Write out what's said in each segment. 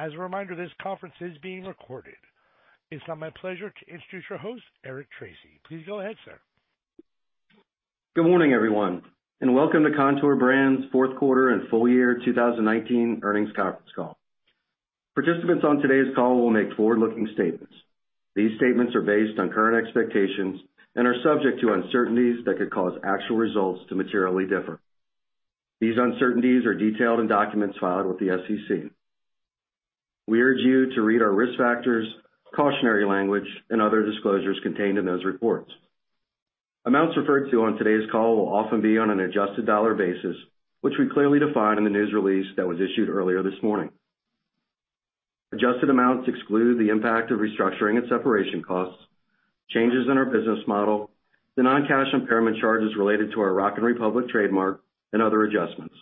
As a reminder, this conference is being recorded. It's now my pleasure to introduce your host, Eric Tracy. Please go ahead, sir. Good morning, everyone, and welcome to Kontoor Brands' fourth quarter and full year 2019 earnings conference call. Participants on today's call will make forward-looking statements. These statements are based on current expectations and are subject to uncertainties that could cause actual results to materially differ. These uncertainties are detailed in documents filed with the SEC. We urge you to read our risk factors, cautionary language, and other disclosures contained in those reports. Amounts referred to on today's call will often be on an adjusted dollar basis, which we clearly define in the news release that was issued earlier this morning. Adjusted amounts exclude the impact of restructuring and separation costs, changes in our business model, the non-cash impairment charges related to our Rock & Republic trademark, and other adjustments.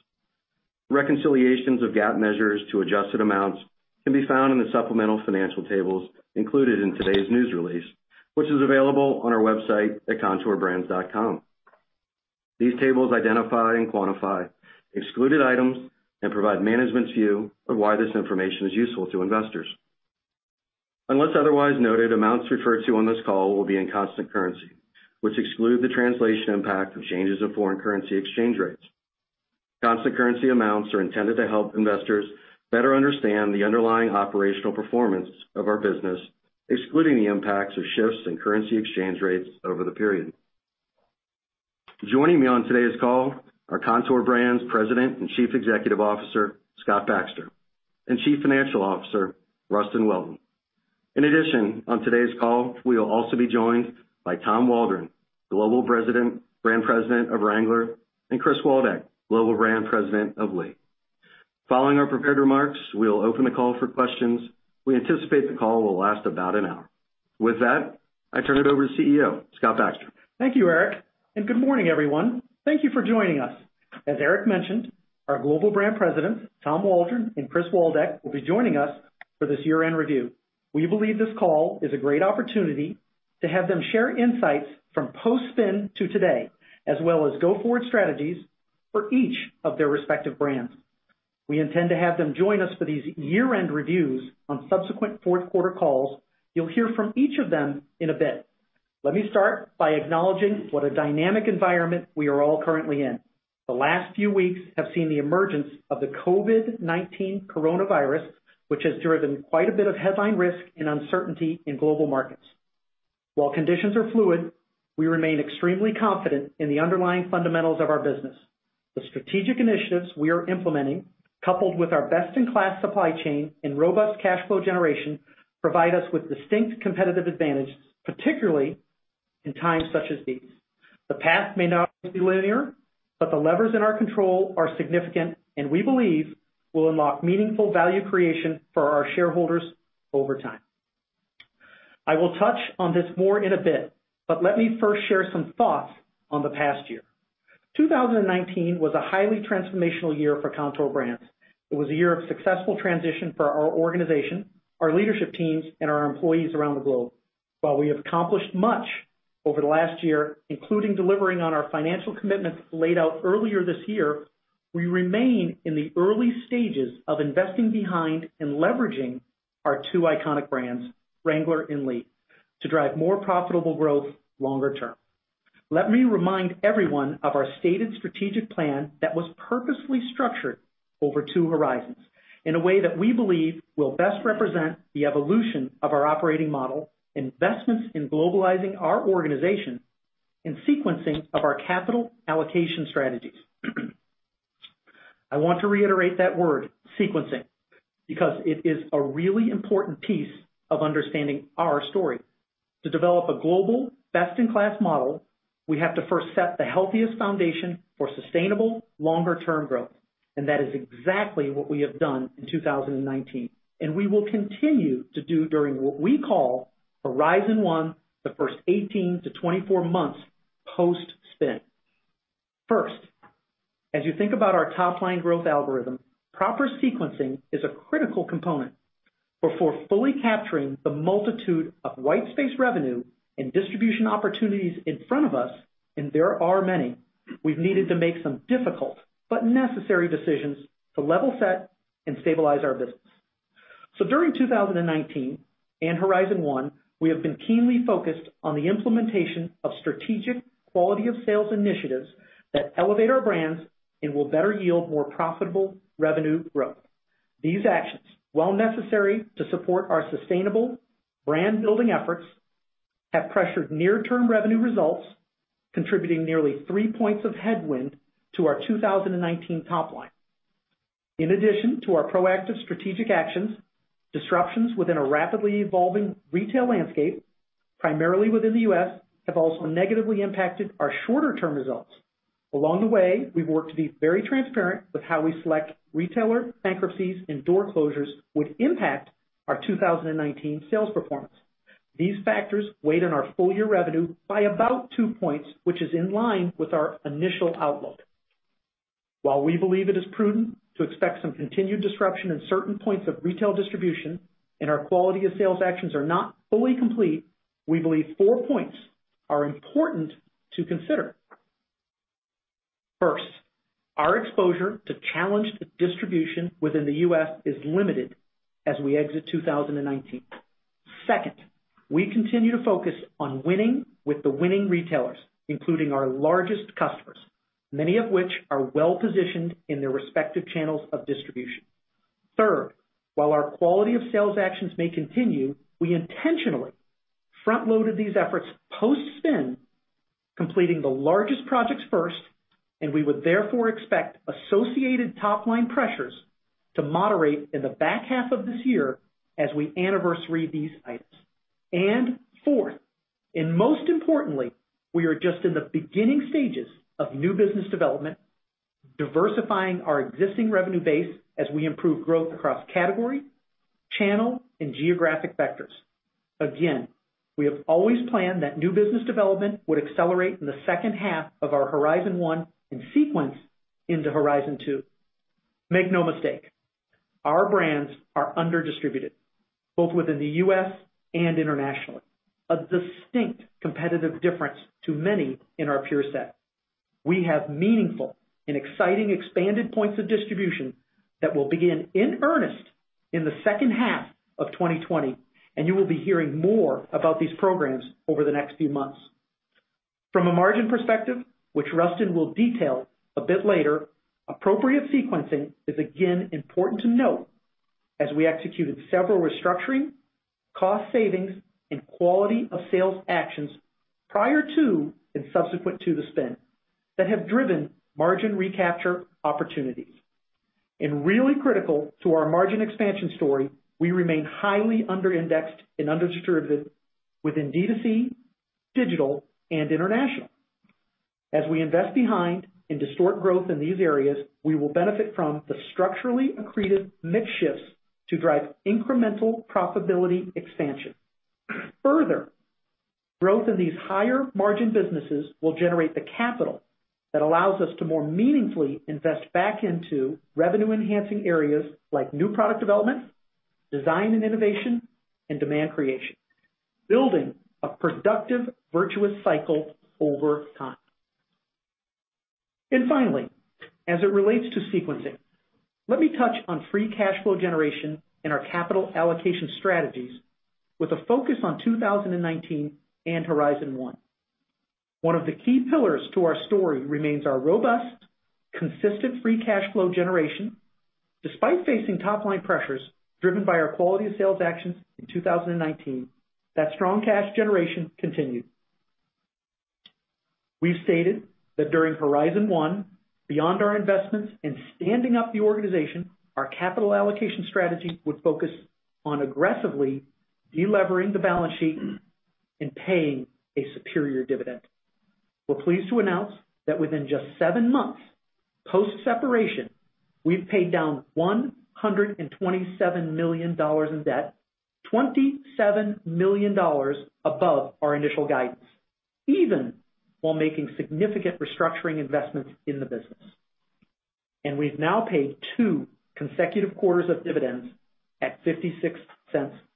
Reconciliations of GAAP measures to adjusted amounts can be found in the supplemental financial tables included in today's news release, which is available on our website at kontoorbrands.com. These tables identify and quantify excluded items and provide management's view of why this information is useful to investors. Unless otherwise noted, amounts referred to on this call will be in constant currency, which excludes the translation impact of changes in foreign currency exchange rates. Constant currency amounts are intended to help investors better understand the underlying operational performance of our business, excluding the impacts of shifts in currency exchange rates over the period. Joining me on today's call are Kontoor Brands President and Chief Executive Officer, Scott Baxter, and Chief Financial Officer, Rustin Welton. On today's call, we will also be joined by Tom Waldron, Global President, Brand President of Wrangler, and Chris Waldeck, Global Brand President of Lee. Following our prepared remarks, we'll open the call for questions. We anticipate the call will last about an hour. With that, I turn it over to CEO, Scott Baxter. Thank you, Eric, and good morning, everyone. Thank you for joining us. As Eric mentioned, our Global Brand Presidents, Tom Waldron and Chris Waldeck, will be joining us for this year-end review. We believe this call is a great opportunity to have them share insights from post-spin to today, as well as go-forward strategies for each of their respective brands. We intend to have them join us for these year-end reviews on subsequent fourth quarter calls. You'll hear from each of them in a bit. Let me start by acknowledging what a dynamic environment we are all currently in. The last few weeks have seen the emergence of the COVID-19 coronavirus, which has driven quite a bit of headline risk and uncertainty in global markets. While conditions are fluid, we remain extremely confident in the underlying fundamentals of our business. The strategic initiatives we are implementing, coupled with our best-in-class supply chain and robust cash flow generation, provide us with distinct competitive advantage, particularly in times such as these. The path may not always be linear, but the levers in our control are significant and we believe will unlock meaningful value creation for our shareholders over time. I will touch on this more in a bit but let me first share some thoughts on the past year. 2019 was a highly transformational year for Kontoor Brands. It was a year of successful transition for our organization, our leadership teams, and our employees around the globe. While we have accomplished much over the last year, including delivering on our financial commitments laid out earlier this year, we remain in the early stages of investing behind and leveraging our two iconic brands, Wrangler and Lee, to drive more profitable growth longer term. Let me remind everyone of our stated strategic plan that was purposefully structured over two Horizons in a way that we believe will best represent the evolution of our operating model, investments in globalizing our organization, and sequencing of our capital allocation strategies. I want to reiterate that word, sequencing, because it is a really important piece of understanding our story. To develop a global best-in-class model, we have to first set the healthiest foundation for sustainable longer-term growth, and that is exactly what we have done in 2019. We will continue to do during what we call Horizon 1, the first 18 to 24 months post-spin. First, as you think about our top line growth algorithm, proper sequencing is a critical component before fully capturing the multitude of white-space revenue and distribution opportunities in front of us, and there are many. We've needed to make some difficult but necessary decisions to level set and stabilize our business. During 2019 and Horizon 1, we have been keenly focused on the implementation of strategic quality of sales initiatives that elevate our brands and will better yield more profitable revenue growth. These actions, while necessary to support our sustainable brand building efforts, have pressured near-term revenue results, contributing nearly three points of headwind to our 2019 top line. In addition to our proactive strategic actions, disruptions within a rapidly evolving retail landscape, primarily within the U.S., have also negatively impacted our shorter-term results. Along the way, we've worked to be very transparent with how we select retailer bankruptcies and door closures would impact our 2019 sales performance. These factors weighed on our full year revenue by about two points, which is in line with our initial outlook. While we believe it is prudent to expect some continued disruption in certain points of retail distribution and our quality of sales actions are not fully complete, we believe full-year 4 points are important to consider. Our exposure to challenged distribution within the U.S. is limited as we exit 2019. Second, we continue to focus on winning with the winning retailers, including our largest customers, many of which are well-positioned in their respective channels of distribution. Third, while our quality-of-sales actions may continue, we intentionally front-loaded these efforts post-spin, completing the largest projects first, and we would therefore expect associated top-line pressures to moderate in the back half of this year as we anniversary these items. Fourth, and most importantly, we are just in the beginning stages of new business development, diversifying our existing revenue base as we improve growth across category, channel, and geographic vectors. Again, we have always planned that new business development would accelerate in the second half of our Horizon 1 and sequence into Horizon 2. Make no mistake, our brands are under distributed, both within the U.S. and internationally, a distinct competitive difference to many in our peer set. We have meaningful and exciting expanded points of distribution that will begin in earnest in the second half of 2020, and you will be hearing more about these programs over the next few months. From a margin perspective, which Rustin will detail a bit later, appropriate sequencing is again important to note as we executed several restructuring, cost savings, and quality of sales actions prior to and subsequent to the spin that have driven margin recapture opportunities. Really critical to our margin expansion story, we remain highly under indexed and under distributed within D2C, digital, and international. As we invest behind and distort growth in these areas, we will benefit from the structurally accretive mix shifts to drive incremental profitability expansion. Further, growth in these higher margin businesses will generate the capital that allows us to more meaningfully invest back into revenue-enhancing areas like new product development, design and innovation, and demand creation, building a productive virtuous cycle over time. Finally, as it relates to sequencing, let me touch on free cash flow generation and our capital allocation strategies with a focus on 2019 and Horizon 1. One of the key pillars to our story remains our robust, consistent free cash flow generation. Despite facing top-line pressures driven by our quality of sales actions in 2019, that strong cash generation continued. We've stated that during Horizon 1, beyond our investments in standing up the organization, our capital allocation strategy would focus on aggressively delevering the balance sheet and paying a superior dividend. We're pleased to announce that within just seven months post-separation, we've paid down $127 million in debt, $27 million above our initial guidance, even while making significant restructuring investments in the business. We've now paid two consecutive quarters of dividends at $0.56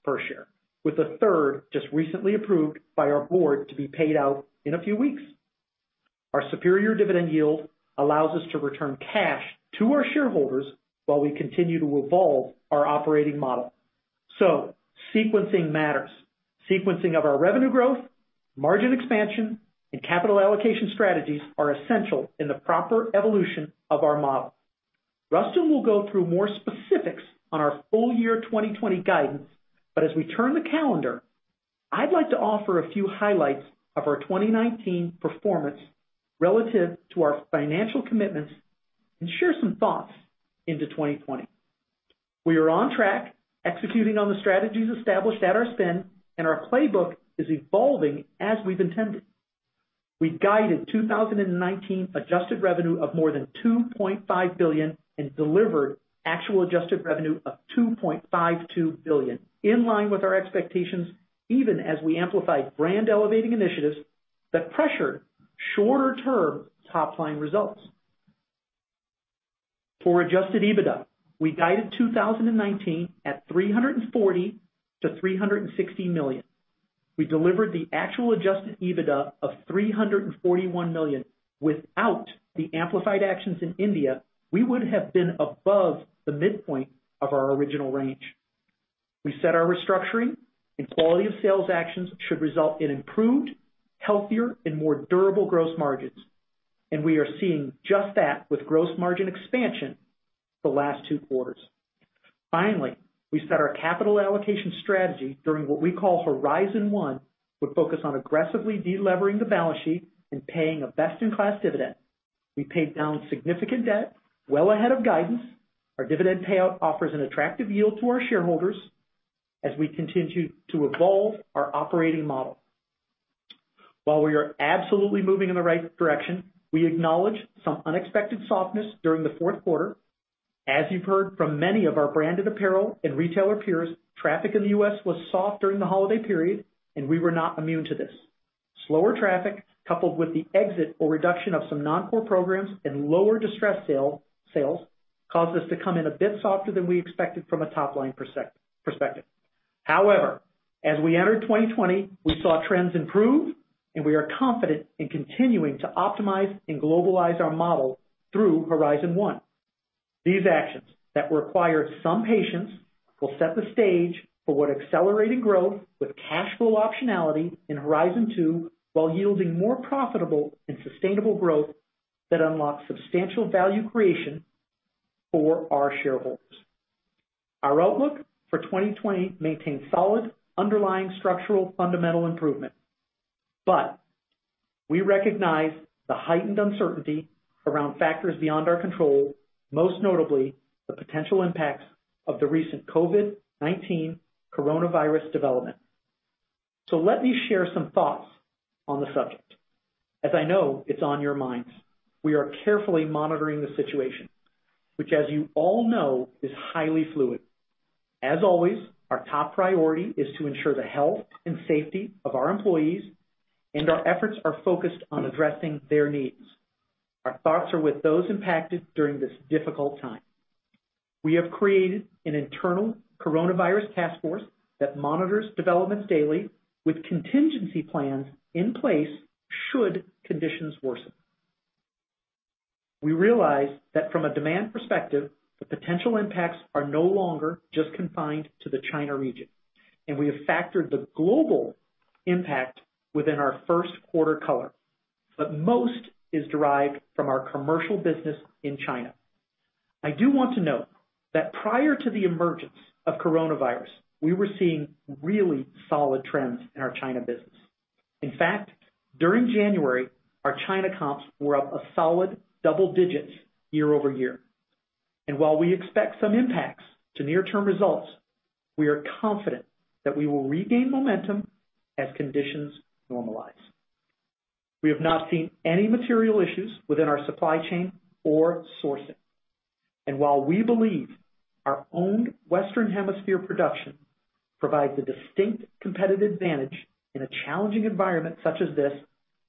per share, with a third just recently approved by our board to be paid out in a few weeks. Our superior dividend yield allows us to return cash to our shareholders while we continue to evolve our operating model. Sequencing matters. Sequencing of our revenue growth, margin expansion, and capital allocation strategies are essential in the proper evolution of our model. Rustin will go through more specifics on our full year 2020 guidance, but as we turn the calendar, I'd like to offer a few highlights of our 2019 performance relative to our financial commitments and share some thoughts into 2020. We are on track, executing on the strategies established at our spin, and our playbook is evolving as we've intended. We guided 2019 adjusted revenue of more than $2.5 billion and delivered actual adjusted revenue of $2.52 billion, in line with our expectations, even as we amplified brand-elevating initiatives that pressured shorter-term top-line results. For adjusted EBITDA, we guided 2019 at $340 million-$360 million. We delivered the actual adjusted EBITDA of $341 million. Without the amplified actions in India, we would have been above the midpoint of our original range. We said our restructuring and quality of sales actions should result in improved, healthier, and more durable gross margins, and we are seeing just that with gross margin expansion the last two quarters. We said our capital allocation strategy during what we call Horizon 1 would focus on aggressively delevering the balance sheet and paying a best-in-class dividend. We paid down significant debt well ahead of guidance. Our dividend payout offers an attractive yield to our shareholders as we continue to evolve our operating model. We are absolutely moving in the right direction, and we acknowledge some unexpected softness during the fourth quarter. As you've heard from many of our branded apparel and retailer peers, traffic in the U.S. was soft during the holiday period, and we were not immune to this. Slower traffic, coupled with the exit or reduction of some non-core programs and lower distressed sales, caused us to come in a bit softer than we expected from a top-line perspective. As we entered 2020, we saw trends improve, and we are confident in continuing to optimize and globalize our model through Horizon 1. These actions that require some patience will set the stage for what accelerated growth with cash flow optionality in Horizon 2, while yielding more profitable and sustainable growth that unlocks substantial value creation for our shareholders. Our outlook for 2020 maintains solid underlying structural fundamental improvement. We recognize the heightened uncertainty around factors beyond our control, most notably, the potential impacts of the recent COVID-19 coronavirus development. Let me share some thoughts on the subject, as I know it's on your minds. We are carefully monitoring the situation, which, as you all know, is highly fluid. As always, our top priority is to ensure the health and safety of our employees, and our efforts are focused on addressing their needs. Our thoughts are with those impacted during this difficult time. We have created an internal coronavirus task force that monitors developments daily with contingency plans in place should conditions worsen. We realize that from a demand perspective, the potential impacts are no longer just confined to the China region, and we have factored the global impact within our first quarter color. Most is derived from our commercial business in China. I do want to note that prior to the emergence of the coronavirus, we were seeing really solid trends in our China business. In fact, during January, our China comps were up a solid double digits year-over-year. While we expect some impacts to near-term results, we are confident that we will regain momentum as conditions normalize. We have not seen any material issues within our supply chain or sourcing. While we believe our owned Western Hemisphere production provides a distinct competitive advantage in a challenging environment such as this,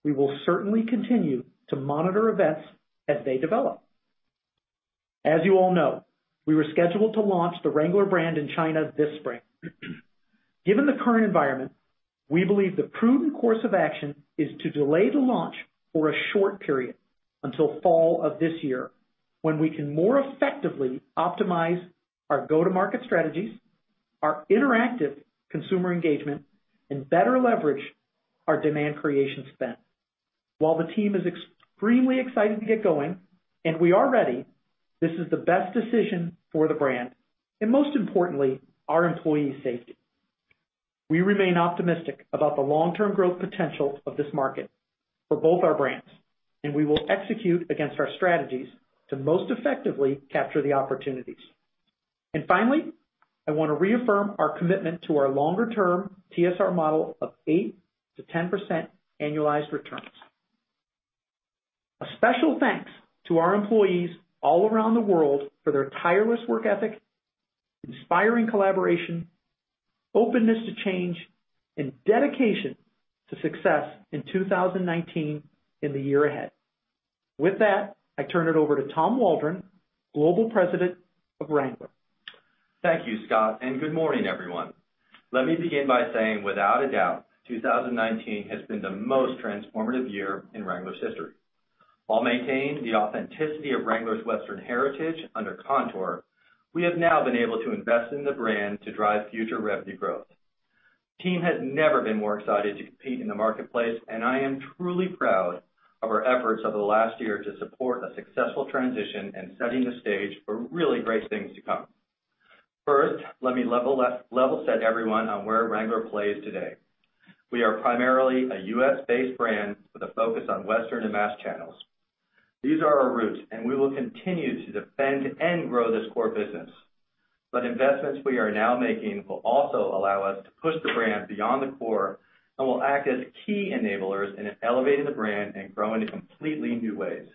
we will certainly continue to monitor events as they develop. As you all know, we were scheduled to launch the Wrangler brand in China this spring. Given the current environment, we believe the prudent course of action is to delay the launch for a short period until fall of this year, when we can more effectively optimize our go-to-market strategies, our interactive consumer engagement, and better leverage our demand creation spend. While the team is extremely excited to get going, and we are ready, this is the best decision for the brand, and most importantly, our employees' safety. We remain optimistic about the long-term growth potential of this market for both our brands, and we will execute against our strategies to most effectively capture the opportunities. Finally, I want to reaffirm our commitment to our longer-term TSR model of 8%-10% annualized returns. A special thanks to our employees all around the world for their tireless work ethic, inspiring collaboration, openness to change, and dedication to success in 2019 and the year ahead. With that, I turn it over to Tom Waldron, Global President of Wrangler. Thank you, Scott. Good morning, everyone. Let me begin by saying, without a doubt, 2019 has been the most transformative year in Wrangler's history. While maintaining the authenticity of Wrangler's Western heritage under Kontoor, we have now been able to invest in the brand to drive future revenue growth. Team has never been more excited to compete in the marketplace. I am truly proud of our efforts over the last year to support a successful transition and setting the stage for really great things to come. First, let me level set everyone on where Wrangler plays today. We are primarily a U.S.-based brand with a focus on Western and mass channels. These are our roots. We will continue to defend and grow this core business. Investments we are now making will also allow us to push the brand beyond the core and will act as key enablers in elevating the brand and growing in completely new ways.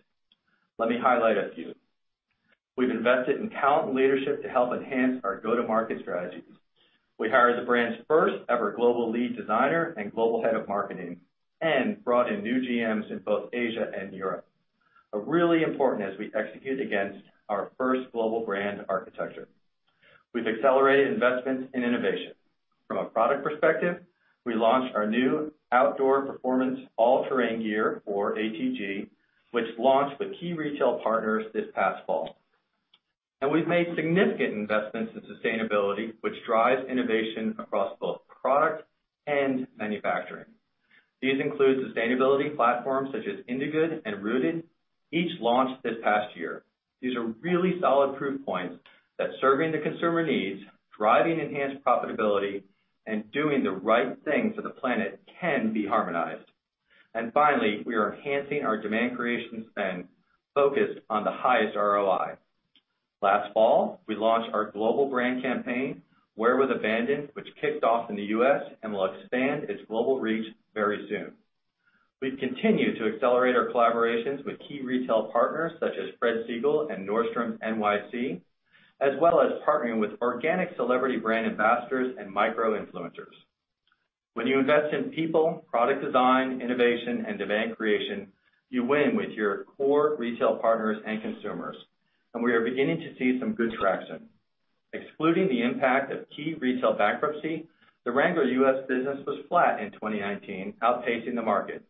Let me highlight a few. We've invested in talent leadership to help enhance our go-to-market strategies. We hired the brand's first-ever Global Lead Designer and Global Head of Marketing and brought in new GMs in both Asia and Europe. A really important as we execute against our first global brand architecture. We've accelerated investments in innovation. From a product perspective, we launched our new outdoor performance All Terrain Gear, or ATG, which launched with key retail partners this past fall. We've made significant investments in sustainability, which drives innovation across both product and manufacturing. These include sustainability platforms such as Indigood and Rooted, each launched this past year. These are really solid proof points that serving the consumer needs, driving enhanced profitability, and doing the right thing for the planet can be harmonized. Finally, we are enhancing our demand creation spend focused on the highest ROI. Last fall, we launched our global brand campaign, Wear with Abandon, which kicked off in the U.S. and will expand its global reach very soon. We've continued to accelerate our collaborations with key retail partners such as Fred Segal and Nordstrom NYC, as well as partnering with organic celebrity brand ambassadors and micro-influencers. When you invest in people, product design, innovation, and demand creation, you win with your core retail partners and consumers, and we are beginning to see some good traction. Excluding the impact of key retail bankruptcy, the Wrangler U.S. business was flat in 2019, outpacing the market.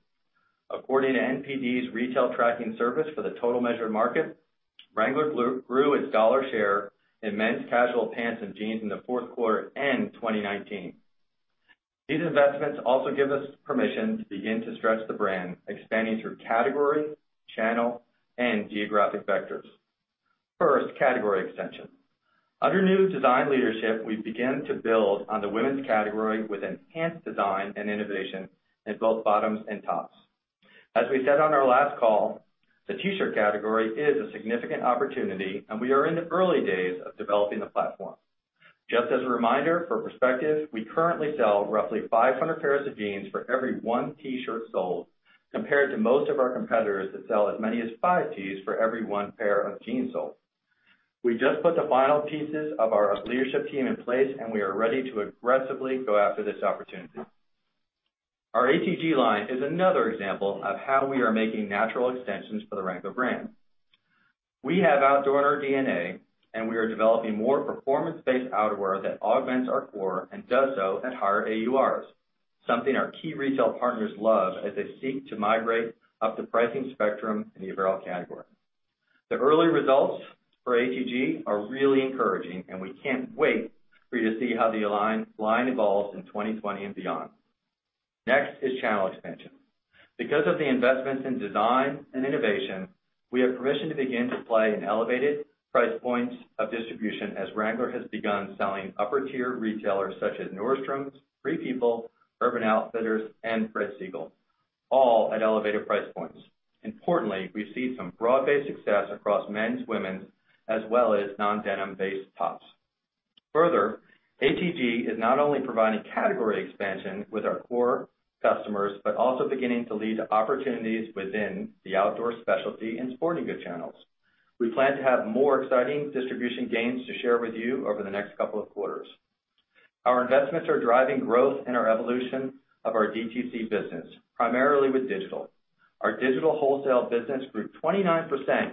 According to NPD's retail tracking service for the total measured market, Wrangler grew its dollar share in men's casual pants and jeans in the fourth quarter and 2019. These investments also give us permission to begin to stretch the brand, expanding through category, channel, and geographic vectors. First, category extension. Under new design leadership, we began to build on the women's category with enhanced design and innovation in both bottoms and tops. As we said on our last call, the t-shirt category is a significant opportunity, and we are in the early days of developing the platform. Just as a reminder for perspective, we currently sell roughly 500 pairs of jeans for every one t-shirt sold, compared to most of our competitors that sell as many as five tees for every one pair of jeans sold. We just put the final pieces of our leadership team in place, and we are ready to aggressively go after this opportunity. Our ATG line is another example of how we are making natural extensions for the Wrangler brand. We have outdoor in our DNA, and we are developing more performance-based outerwear that augments our core and does so at higher AURs, something our key retail partners love as they seek to migrate up the pricing spectrum in the apparel category. The early results for ATG are really encouraging, and we can't wait for you to see how the line evolves in 2020 and beyond. Next is channel expansion. Because of the investments in design and innovation, we have permission to begin to play in elevated price points of distribution as Wrangler has begun selling upper-tier retailers such as Nordstrom, Free People, Urban Outfitters and Fred Segal, all at elevated price points. Importantly, we've seen some broad-based success across men's, women's, as well as non-denim-based tops. Further, ATG is not only providing category expansion with our core customers but also beginning to lead to opportunities within the outdoor specialty and sporting goods channels. We plan to have more exciting distribution gains to share with you over the next couple of quarters. Our investments are driving growth in our evolution of our DTC business, primarily with digital. Our digital wholesale business grew 29%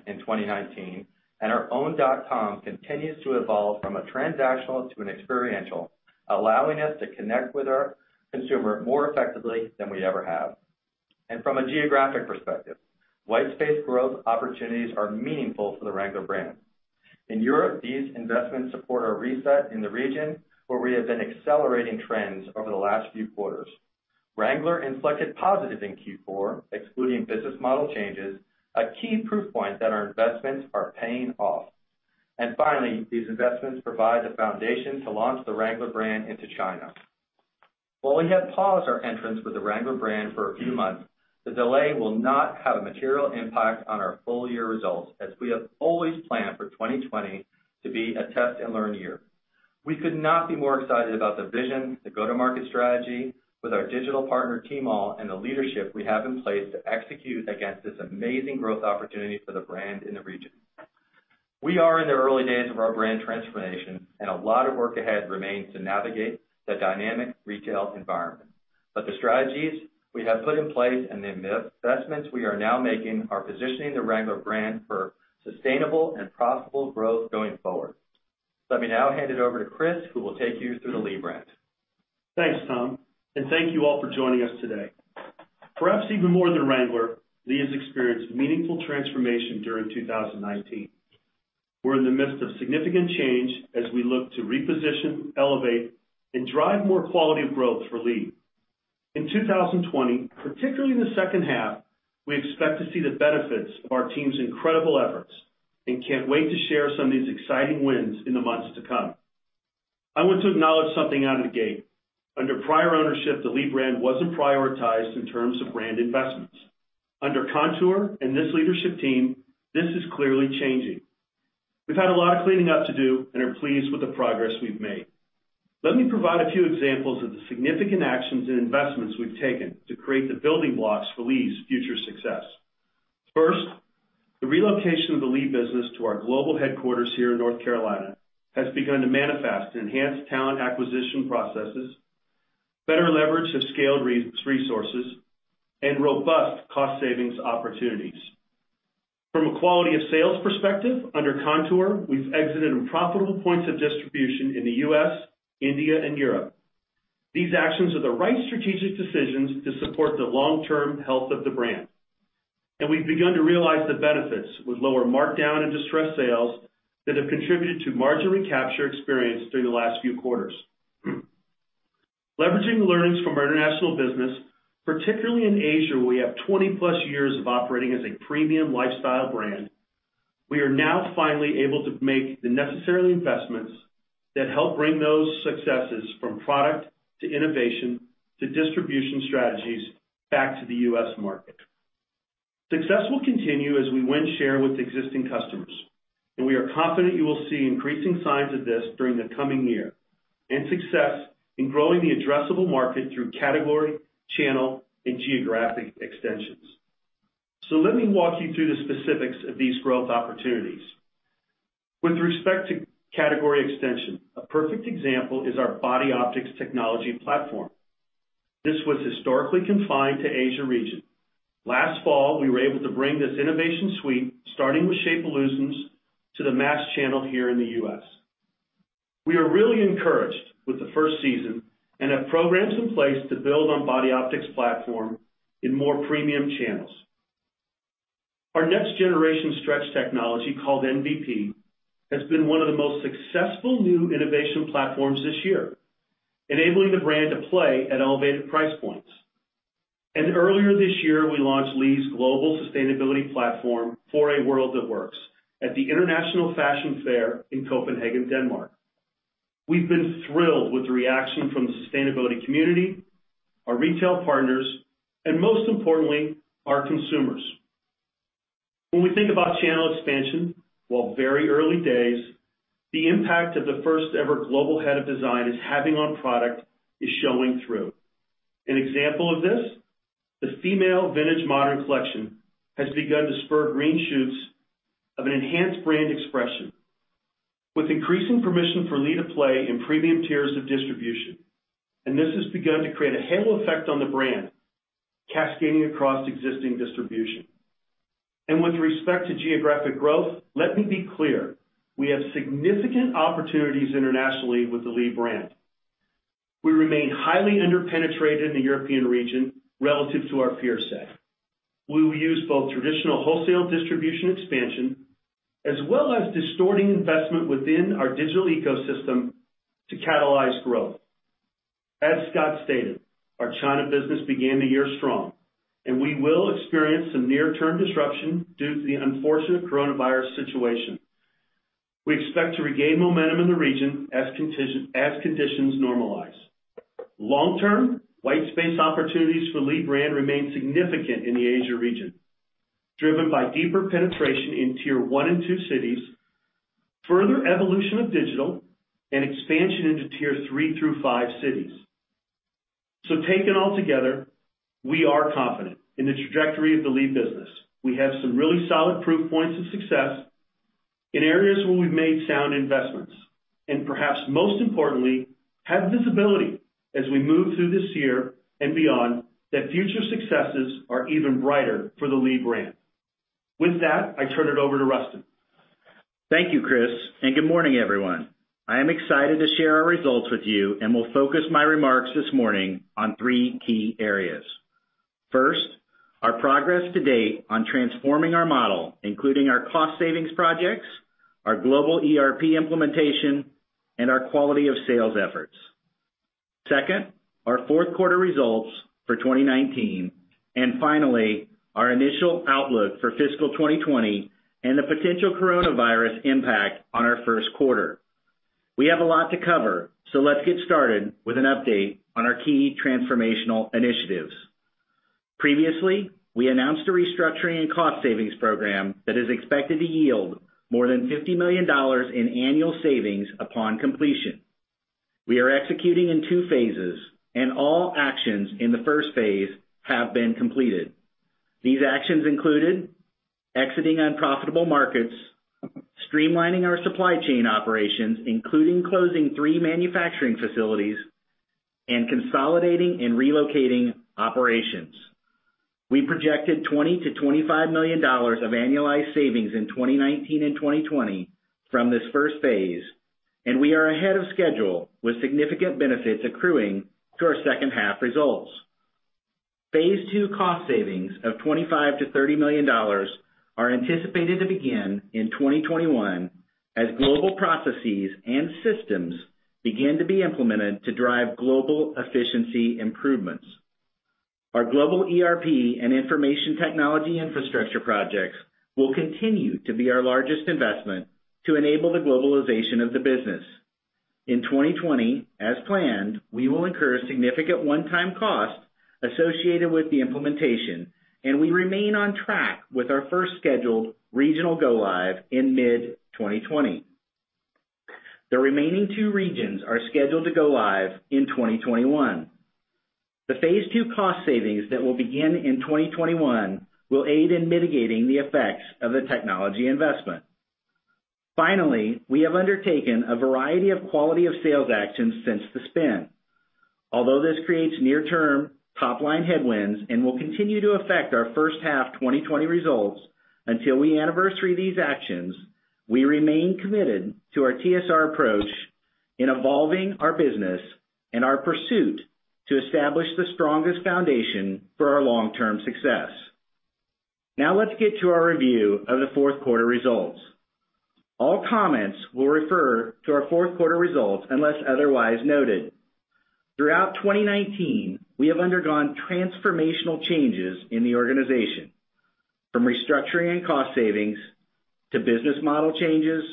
in 2019, our own dot com continues to evolve from a transactional to an experiential, allowing us to connect with our consumer more effectively than we ever have. From a geographic perspective, white space growth opportunities are meaningful for the Wrangler brand. In Europe, these investments support our reset in the region, where we have been accelerating trends over the last few quarters. Wrangler inflected positive in Q4, excluding business model changes, a key proof point that our investments are paying off. Finally, these investments provide the foundation to launch the Wrangler brand into China. While we have paused our entrance with the Wrangler brand for a few months, the delay will not have a material impact on our full-year results, as we have always planned for 2020 to be a test-and-learn year. We could not be more excited about the vision, the go-to-market strategy with our digital partner, Tmall, and the leadership we have in place to execute against this amazing growth opportunity for the brand in the region. We are in the early days of our brand transformation, and a lot of work ahead remains to navigate the dynamic retail environment. The strategies we have put in place and the investments we are now making are positioning the Wrangler brand for sustainable and profitable growth going forward. Let me now hand it over to Chris, who will take you through the Lee brand. Thanks, Tom. Thank you all for joining us today. Perhaps even more than Wrangler, Lee has experienced a meaningful transformation during 2019. We're in the midst of significant change as we look to reposition, elevate, and drive more quality growth for Lee. In 2020, particularly in the second half, we expect to see the benefits of our team's incredible efforts and can't wait to share some of these exciting wins in the months to come. I want to acknowledge something out of the gate. Under prior ownership, the Lee brand wasn't prioritized in terms of brand investments. Under Kontoor and this leadership team, this is clearly changing. We've had a lot of cleaning up to do and are pleased with the progress we've made. Let me provide a few examples of the significant actions and investments we've taken to create the building blocks for Lee's future success. First, the relocation of the Lee business to our global headquarters here in North Carolina has begun to manifest enhanced talent acquisition processes, better leverage of scaled resources, and robust cost savings opportunities. From a quality of sales perspective, under Kontoor, we've exited unprofitable points of distribution in the U.S., India, and Europe. These actions are the right strategic decisions to support the long-term health of the brand. We've begun to realize the benefits with lower markdown and distressed sales that have contributed to margin recapture experienced through the last few quarters. Leveraging the learnings from our international business, particularly in Asia, where we have 20+ years of operating as a premium lifestyle brand, we are now finally able to make the necessary investments that help bring those successes from product to innovation to distribution strategies back to the U.S. market. Success will continue as we win share with existing customers, and we are confident you will see increasing signs of this during the coming year, and success in growing the addressable market through category, channel, and geographic extensions. Let me walk you through the specifics of these growth opportunities. With respect to category extension, a perfect example is our Body Optix technology platform. This was historically confined to Asia region. Last fall, we were able to bring this innovation suite, starting with Shape Illusions, to the mass channel here in the U.S. We are really encouraged with the first season and have programs in place to build on Body Optix platform in more premium channels. Our next generation stretch technology, called MVP, has been one of the most successful new innovation platforms this year, enabling the brand to play at elevated price points. Earlier this year, we launched Lee's global sustainability platform, For a World That Works, at the International Fashion Fair in Copenhagen, Denmark. We've been thrilled with the reaction from the sustainability community, our retail partners, and most importantly, our consumers. When we think about channel expansion, while very early days, the impact of the first ever global head of design is having on product is showing through. An example of this, the female vintage modern collection has begun to spur green shoots of an enhanced brand expression with increasing permission for Lee to play in premium tiers of distribution. This has begun to create a halo effect on the brand, cascading across existing distribution. With respect to geographic growth, let me be clear, we have significant opportunities internationally with the Lee brand. We remain highly under-penetrated in the European region relative to our peer set. We will use both traditional wholesale distribution expansion, as well as distorting investment within our digital ecosystem to catalyze growth. As Scott stated, our China business began the year strong, and we will experience some near-term disruption due to the unfortunate coronavirus situation. We expect to regain momentum in the region as conditions normalize. Long-term, white space opportunities for Lee brand remain significant in the Asia region, driven by deeper penetration in Tier 1 and 2 cities, further evolution of digital, and expansion into Tier 3-5 cities. Taken all together, we are confident in the trajectory of the Lee business. We have some really solid proof points of success in areas where we've made sound investments, and perhaps most importantly, have visibility as we move through this year and beyond that future successes are even brighter for the Lee brand. With that, I turn it over to Rustin. Thank you, Chris. Good morning, everyone. I am excited to share our results with you and will focus my remarks this morning on three key areas. First, our progress to date on transforming our model, including our cost savings projects, our global ERP implementation, and our quality of sales efforts. Second, our fourth quarter results for 2019. Finally, our initial outlook for fiscal 2020 and the potential coronavirus impact on our first quarter. We have a lot to cover, so let's get started with an update on our key transformational initiatives. Previously, we announced a restructuring and cost savings program that is expected to yield more than $50 million in annual savings upon completion. We are executing in two phases, and all actions in the first phase have been completed. These actions included exiting unprofitable markets, streamlining our supply chain operations, including closing three manufacturing facilities, and consolidating and relocating operations. We projected $20 million-$25 million of annualized savings in 2019 and 2020 from this first phase. We are ahead of schedule with significant benefits accruing to our second half results. Phase two cost savings of $25 million-$30 million are anticipated to begin in 2021 as global processes and systems begin to be implemented to drive global efficiency improvements. Our global ERP and information technology infrastructure projects will continue to be our largest investment to enable the globalization of the business. In 2020, as planned, we will incur significant one-time costs associated with the implementation, we remain on track with our first scheduled regional go-live in mid-2020. The remaining two regions are scheduled to go live in 2021. The phase two cost savings that will begin in 2021 will aid in mitigating the effects of the technology investment. We have undertaken a variety of quality of sales actions since the spin. This creates near-term top-line headwinds and will continue to affect our first half 2020 results until we anniversary these actions. We remain committed to our TSR approach in evolving our business and our pursuit to establish the strongest foundation for our long-term success. Let's get to our review of the fourth quarter results. All comments will refer to our fourth quarter results unless otherwise noted. Throughout 2019, we have undergone transformational changes in the organization, from restructuring and cost savings, to business model changes,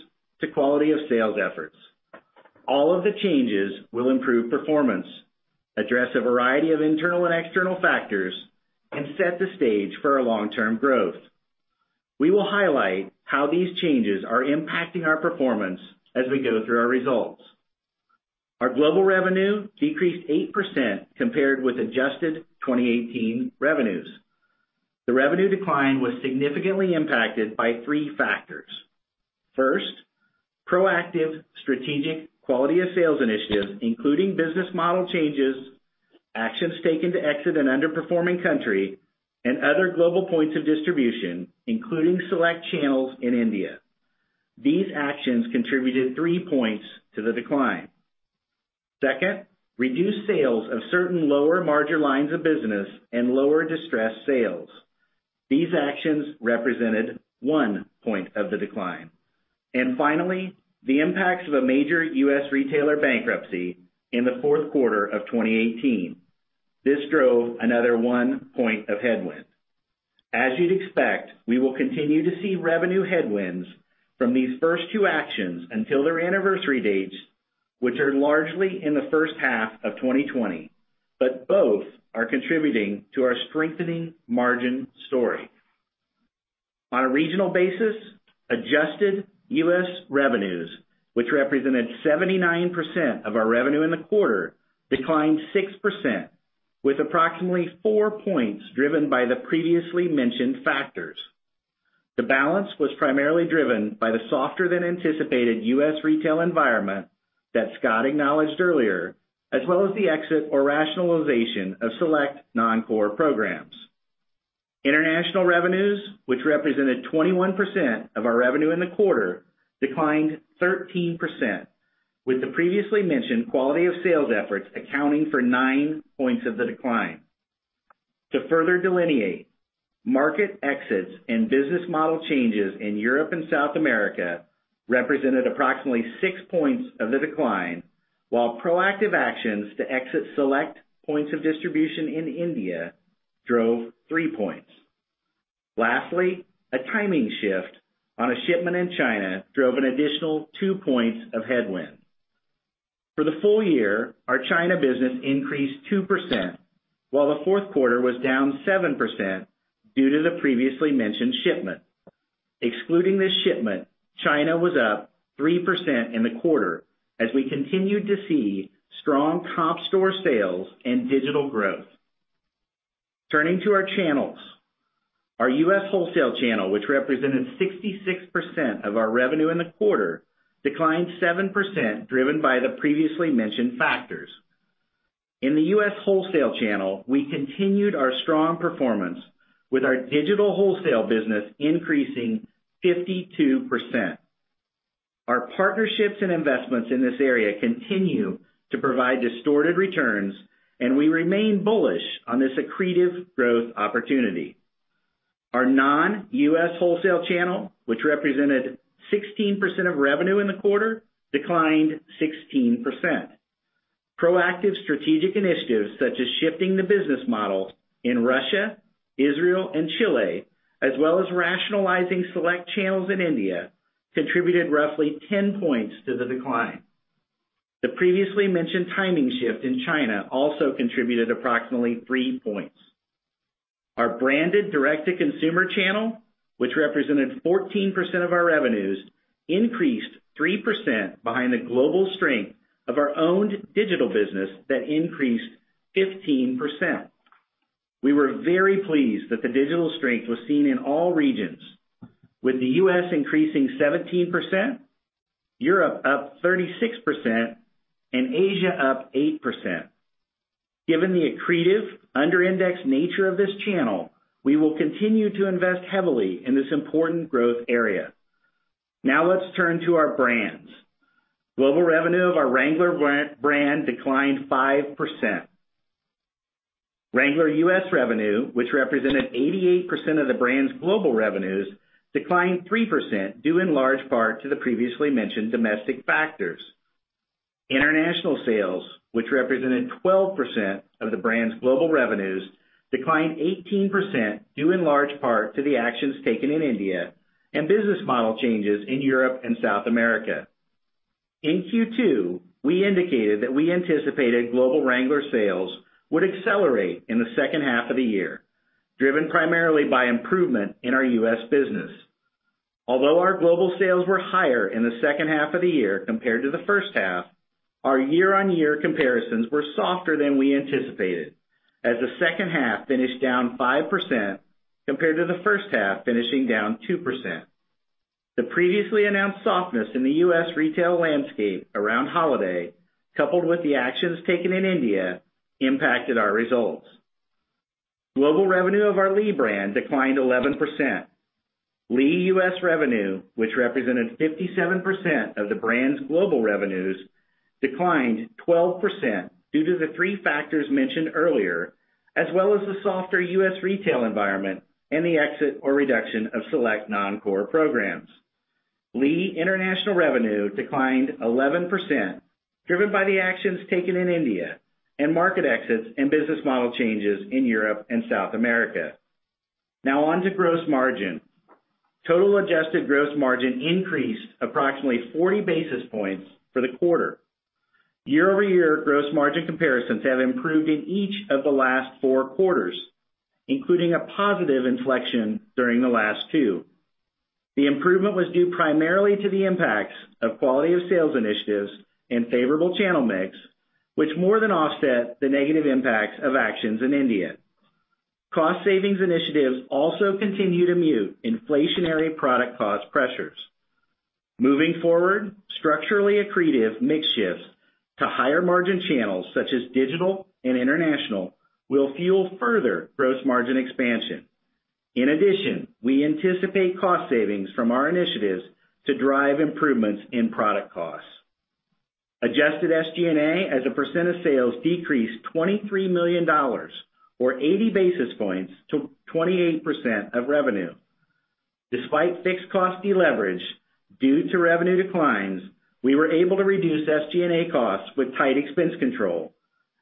to quality of sales efforts. All of the changes will improve performance, address a variety of internal and external factors, and set the stage for our long-term growth. We will highlight how these changes are impacting our performance as we go through our results. Our global revenue decreased 8% compared with adjusted 2018 revenues. The revenue decline was significantly impacted by three factors. First, proactive strategic quality of sales initiatives, including business model changes, actions taken to exit an underperforming country, and other global points of distribution, including select channels in India. These actions contributed three points to the decline. Second, reduced sales of certain lower-margin lines of business and lower distressed sales. These actions represented 1 point of the decline. Finally, the impacts of a major U.S. retailer's bankruptcy in the fourth quarter of 2018. This drove another 1 point of headwind. As you'd expect, we will continue to see revenue headwinds from these first two actions until their anniversary dates, which are largely in the first half of 2020, both are contributing to our strengthening margin story. On a regional basis, adjusted U.S. revenues, which represented 79% of our revenue in the quarter, declined 6%, with approximately four points driven by the previously mentioned factors. The balance was primarily driven by the softer-than-anticipated U.S. retail environment that Scott acknowledged earlier, as well as the exit or rationalization of select non-core programs. International revenues, which represented 21% of our revenue in the quarter, declined 13%, with the previously mentioned quality of sales efforts accounting for nine points of the decline. To further delineate, market exits and business model changes in Europe and South America represented approximately 6 points of the decline, while proactive actions to exit select points of distribution in India drove 3 points. Lastly, a timing shift on a shipment in China drove an additional 2 points of headwind. For the full year, our China business increased 2%, while the fourth quarter was down 7% due to the previously mentioned shipment. Excluding this shipment, China was up 3% in the quarter as we continued to see strong comp store sales and digital growth. Turning to our channels, our U.S. wholesale channel, which represented 66% of our revenue in the quarter, declined 7%, driven by the previously mentioned factors. In the U.S. wholesale channel, we continued our strong performance with our digital wholesale business increasing 52%. Our partnerships and investments in this area continue to provide distorted returns, and we remain bullish on this accretive growth opportunity. Our non-U.S. wholesale channel, which represented 16% of revenue in the quarter, declined 16%. Proactive strategic initiatives such as shifting the business model in Russia, Israel, and Chile, as well as rationalizing select channels in India, contributed roughly 10 points to the decline. The previously mentioned timing shift in China also contributed approximately three points. Our branded direct-to-consumer channel, which represented 14% of our revenues, increased 3% behind the global strength of our owned digital business that increased 15%. We were very pleased that the digital strength was seen in all regions, with the U.S. increasing 17%, Europe up 36%, and Asia up 8%. Given the accretive under-index nature of this channel, we will continue to invest heavily in this important growth area. Now let's turn to our brands. Global revenue of our Wrangler brand declined 5%. Wrangler U.S. revenue, which represented 88% of the brand's global revenues, declined 3%, due in large part to the previously mentioned domestic factors. International sales, which represented 12% of the brand's global revenues, declined 18%, due in large part to the actions taken in India and business model changes in Europe and South America. In Q2, we indicated that we anticipated global Wrangler sales would accelerate in the second half of the year, driven primarily by improvement in our U.S. business. Our global sales were higher in the second half of the year compared to the first half. Our year-on-year comparisons were softer than we anticipated, as the second half finished down 5% compared to the first half, finishing down 2%. The previously announced softness in the U.S. retail landscape around holiday, coupled with the actions taken in India, impacted our results. Global revenue of our Lee brand declined 11%. Lee U.S. revenue, which represented 57% of the brand's global revenues, declined 12% due to the three factors mentioned earlier, as well as the softer U.S. retail environment and the exit or reduction of select non-core programs. Lee International revenue declined 11%, driven by the actions taken in India and market exits and business model changes in Europe and South America. On to gross margin. Total adjusted gross margin increased approximately 40 basis points for the quarter. Year-over-year gross margin comparisons have improved in each of the last four quarters, including a positive inflection during the last two. The improvement was due primarily to the impacts of quality of sales initiatives and favorable channel mix, which more than offset the negative impacts of actions in India. Cost savings initiatives also continue to mute inflationary product cost pressures. Moving forward, structurally accretive mix shifts to higher margin channels such as digital and international will fuel further gross margin expansion. In addition, we anticipate cost savings from our initiatives to drive improvements in product costs. Adjusted SG&A as a percent of sales decreased $23 million, or 80 basis points to 28% of revenue. Despite fixed cost deleverage due to revenue declines, we were able to reduce SG&A costs with tight expense control,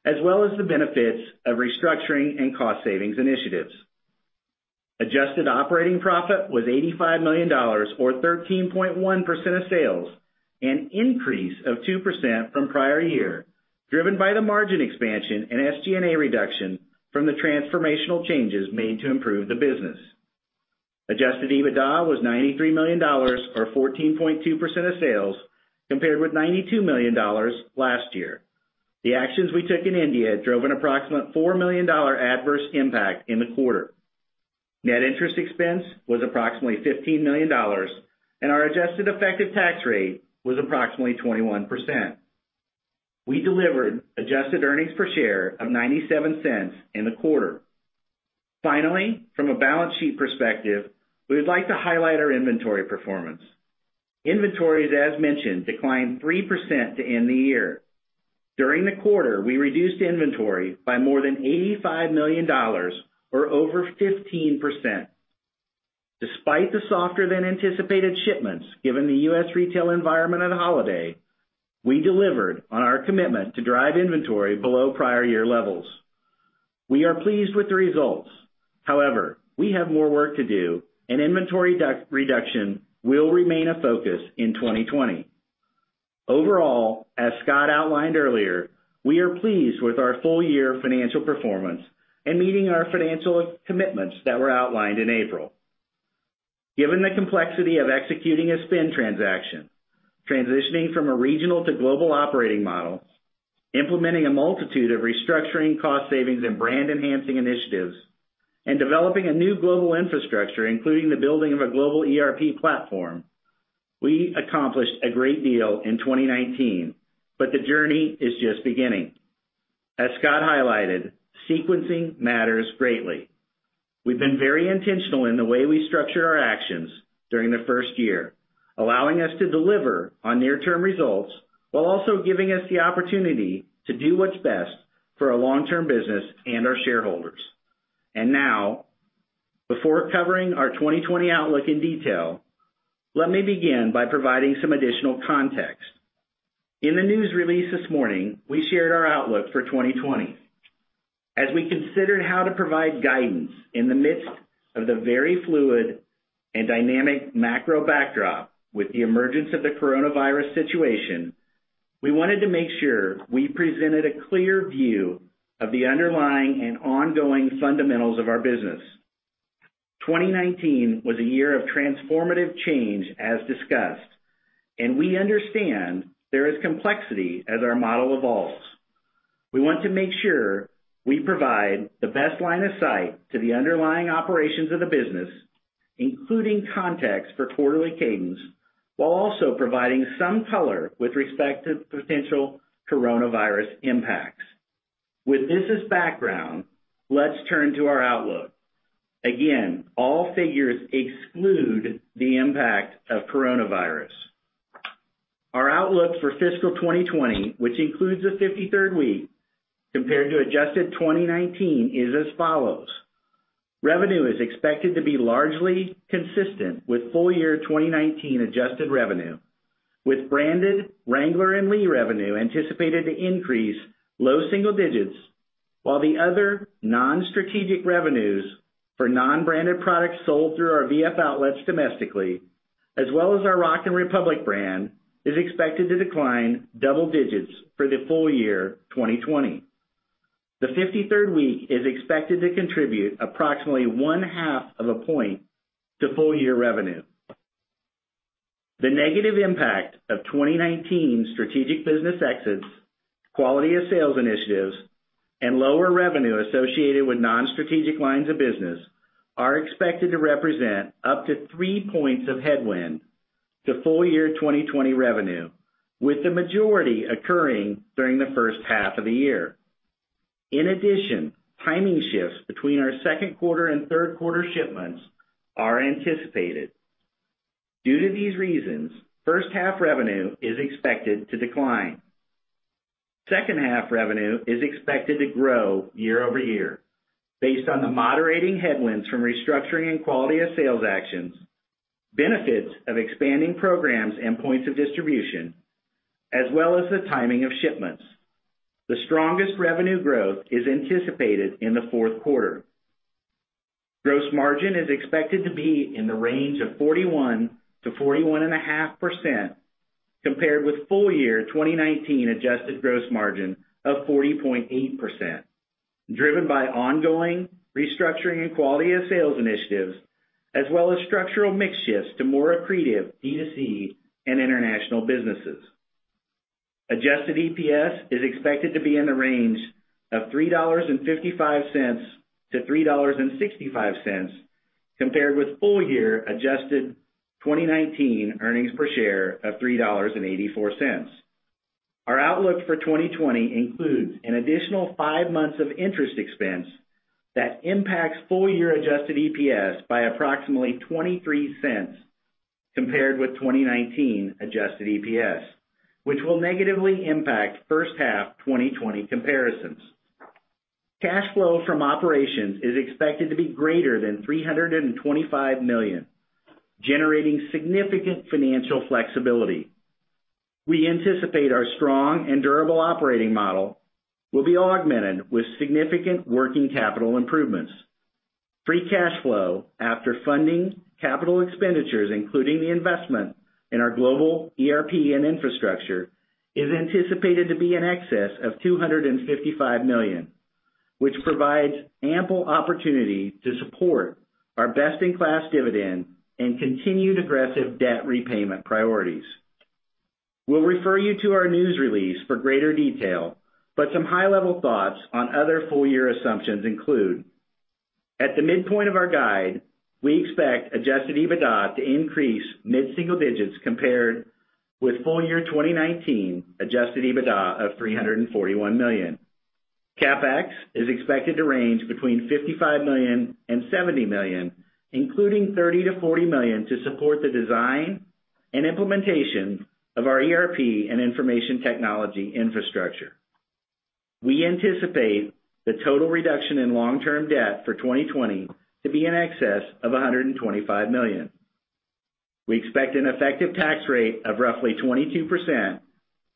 as well as the benefits of restructuring and cost savings initiatives. Adjusted operating profit was $85 million or 13.1% of sales, an increase of 2% from the prior year, driven by the margin expansion and SG&A reduction from the transformational changes made to improve the business. Adjusted EBITDA was $93 million, or 14.2% of sales, compared with $92 million last year. The actions we took in India drove an approximate $4 million adverse impact in the quarter. Net interest expense was approximately $15 million, and our adjusted effective tax rate was approximately 21%. We delivered adjusted earnings per share of $0.97 in the quarter. Finally, from a balance sheet perspective, we would like to highlight our inventory performance. Inventories, as mentioned, declined 3% to end the year. During the quarter, we reduced inventory by more than $85 million or over 15%. Despite the softer-than-anticipated shipments given the U.S. retail environment at holiday, we delivered on our commitment to drive inventory below prior year levels. We are pleased with the results. We have more work to do, and inventory reduction will remain a focus in 2020. Overall, as Scott outlined earlier, we are pleased with our full-year financial performance and meeting our financial commitments that were outlined in April. Given the complexity of executing a spin transaction, transitioning from a regional to global operating model, implementing a multitude of restructuring cost savings and brand enhancing initiatives, and developing a new global infrastructure, including the building of a global ERP platform, we accomplished a great deal in 2019, the journey is just beginning. As Scott highlighted, sequencing matters greatly. We've been very intentional in the way we structure our actions during the first year, allowing us to deliver on near-term results while also giving us the opportunity to do what's best for our long-term business and our shareholders. Now, before covering our 2020 outlook in detail, let me begin by providing some additional context. In the news release this morning, we shared our outlook for 2020. As we considered how to provide guidance in the midst of the very fluid and dynamic macro backdrop with the emergence of the coronavirus situation, we wanted to make sure we presented a clear view of the underlying and ongoing fundamentals of our business. 2019 was a year of transformative change, as discussed, and we understand there is complexity as our model evolves. We want to make sure we provide the best line of sight to the underlying operations of the business, including context for quarterly cadence, while also providing some color with respect to potential coronavirus impacts. With this as background, let's turn to our outlook. Again, all figures exclude the impact of the coronavirus. Our outlook for fiscal 2020, which includes the 53rd week compared to adjusted 2019, is as follows: revenue is expected to be largely consistent with full year 2019 adjusted revenue, with branded Wrangler and Lee revenue anticipated to increase low single digits, while the other non-strategic revenues for non-branded products sold through our VF Outlet domestically, as well as our Rock & Republic brand, is expected to decline double digits for the full year 2020. The 53rd week is expected to contribute approximately 1/2 of a point to full-year revenue. The negative impact of 2019 strategic business exits, quality of sales initiatives, and lower revenue associated with non-strategic lines of business are expected to represent up to 3 points of headwind to full-year 2020 revenue, with the majority occurring during the first half of the year. Timing shifts between our second quarter and third quarter shipments are anticipated. Due to these reasons, first half revenue is expected to decline. Second half revenue is expected to grow year-over-year, based on the moderating headwinds from restructuring and quality of sales actions, benefits of expanding programs and points of distribution, as well as the timing of shipments. The strongest revenue growth is anticipated in the fourth quarter. Gross margin is expected to be in the range of 41%-41.5%. Compared with full year 2019 adjusted gross margin of 40.8%, driven by ongoing restructuring and quality of sales initiatives, as well as structural mix shifts to more accretive D2C and international businesses. Adjusted EPS is expected to be in the range of $3.55-$3.65, compared with full-year adjusted 2019 earnings per share of $3.84. Our outlook for 2020 includes an additional five months of interest expense that impacts full-year adjusted EPS by approximately $0.23 compared with 2019 adjusted EPS, which will negatively impact first-half 2020 comparisons. Cash flow from operations is expected to be greater than $325 million, generating significant financial flexibility. We anticipate our strong and durable operating model will be augmented with significant working capital improvements. Free cash flow after funding capital expenditures, including the investment in our global ERP and infrastructure, is anticipated to be in excess of $255 million, which provides ample opportunity to support our best-in-class dividend and continued aggressive debt repayment priorities. We will refer you to our news release for greater detail. Some high-level thoughts on other full-year assumptions include, at the midpoint of our guide, we expect adjusted EBITDA to increase mid-single digits compared with full year 2019 adjusted EBITDA of $341 million. CapEx is expected to range between $55 million and $70 million, including $30 million-$40 million to support the design and implementation of our ERP and information technology infrastructure. We anticipate the total reduction in long-term debt for 2020 to be in excess of $125 million. We expect an effective tax rate of roughly 22%.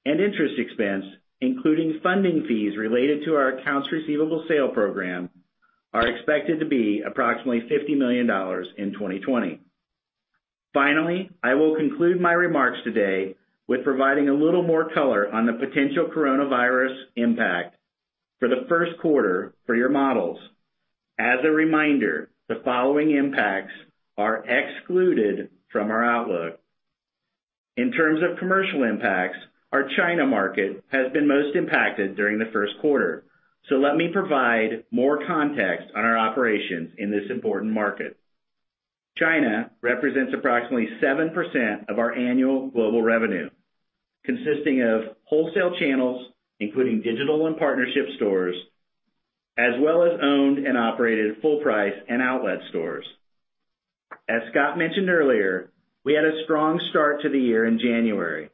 Interest expense, including funding fees related to our accounts receivable sale program, are expected to be approximately $50 million in 2020. Finally, I will conclude my remarks today with providing a little more color on the potential coronavirus impact for the first quarter for your models. As a reminder, the following impacts are excluded from our outlook. In terms of commercial impacts, our China market has been most impacted during the first quarter. Let me provide more context on our operations in this important market. China represents approximately 7% of our annual global revenue, consisting of wholesale channels, including digital and partnership stores, as well as owned and operated full-price and outlet stores. As Scott mentioned earlier, we had a strong start to the year in January.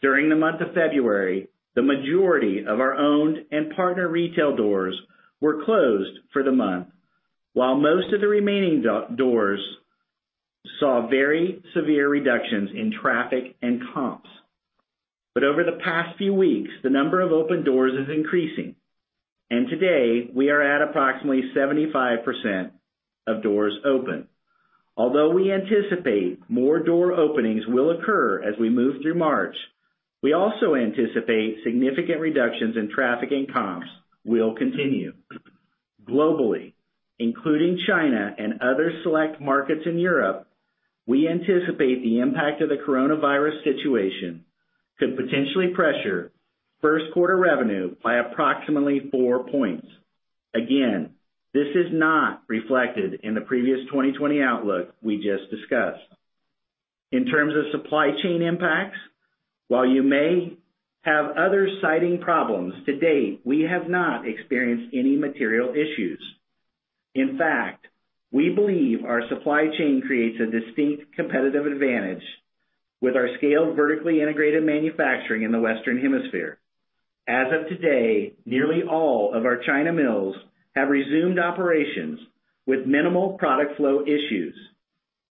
During the month of February, the majority of our owned and partner retail doors were closed for the month, while most of the remaining doors saw very severe reductions in traffic and comps. Over the past few weeks, the number of open doors is increasing, and today we are at approximately 75% of doors open. Although we anticipate more door openings will occur as we move through March, we also anticipate significant reductions in traffic, and comps will continue. Globally, including China and other select markets in Europe, we anticipate the impact of the coronavirus situation could potentially pressure first quarter revenue by approximately 4 points. Again, this is not reflected in the previous 2020 outlook we just discussed. In terms of supply chain impacts, while you may have other siting problems, to date, we have not experienced any material issues. In fact, we believe our supply chain creates a distinct competitive advantage with our scaled vertically integrated manufacturing in the Western Hemisphere. As of today, nearly all of our China mills have resumed operations with minimal product flow issues.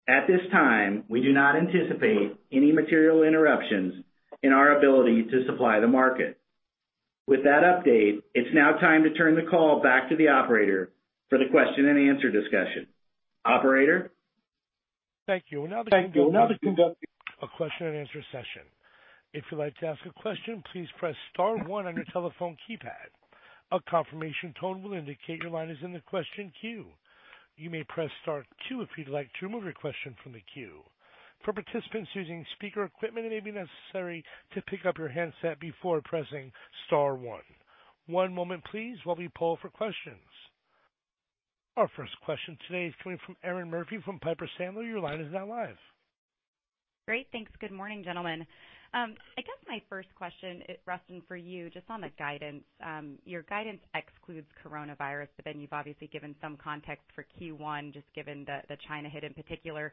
At this time, we do not anticipate any material interruptions in our ability to supply the market. With that update, it's now time to turn the call back to the operator for the question-and-answer discussion. Operator? Thank you. We'll now conduct a question-and-answer session. If you'd like to ask a question, please press star one on your telephone keypad. A confirmation tone will indicate your line is in the question queue. You may press star two if you'd like to remove your question from the queue. For participants using speaker equipment, it may be necessary to pick up your handset before pressing star one. One moment please while we poll for questions. Our first question today is coming from Erinn Murphy from Piper Sandler. Your line is now live. Great. Thanks. Good morning, gentlemen. I guess my first question, Rustin, for you, just on the guidance. Your guidance excludes coronavirus. You've obviously given some context for Q1, just given the China hit in particular.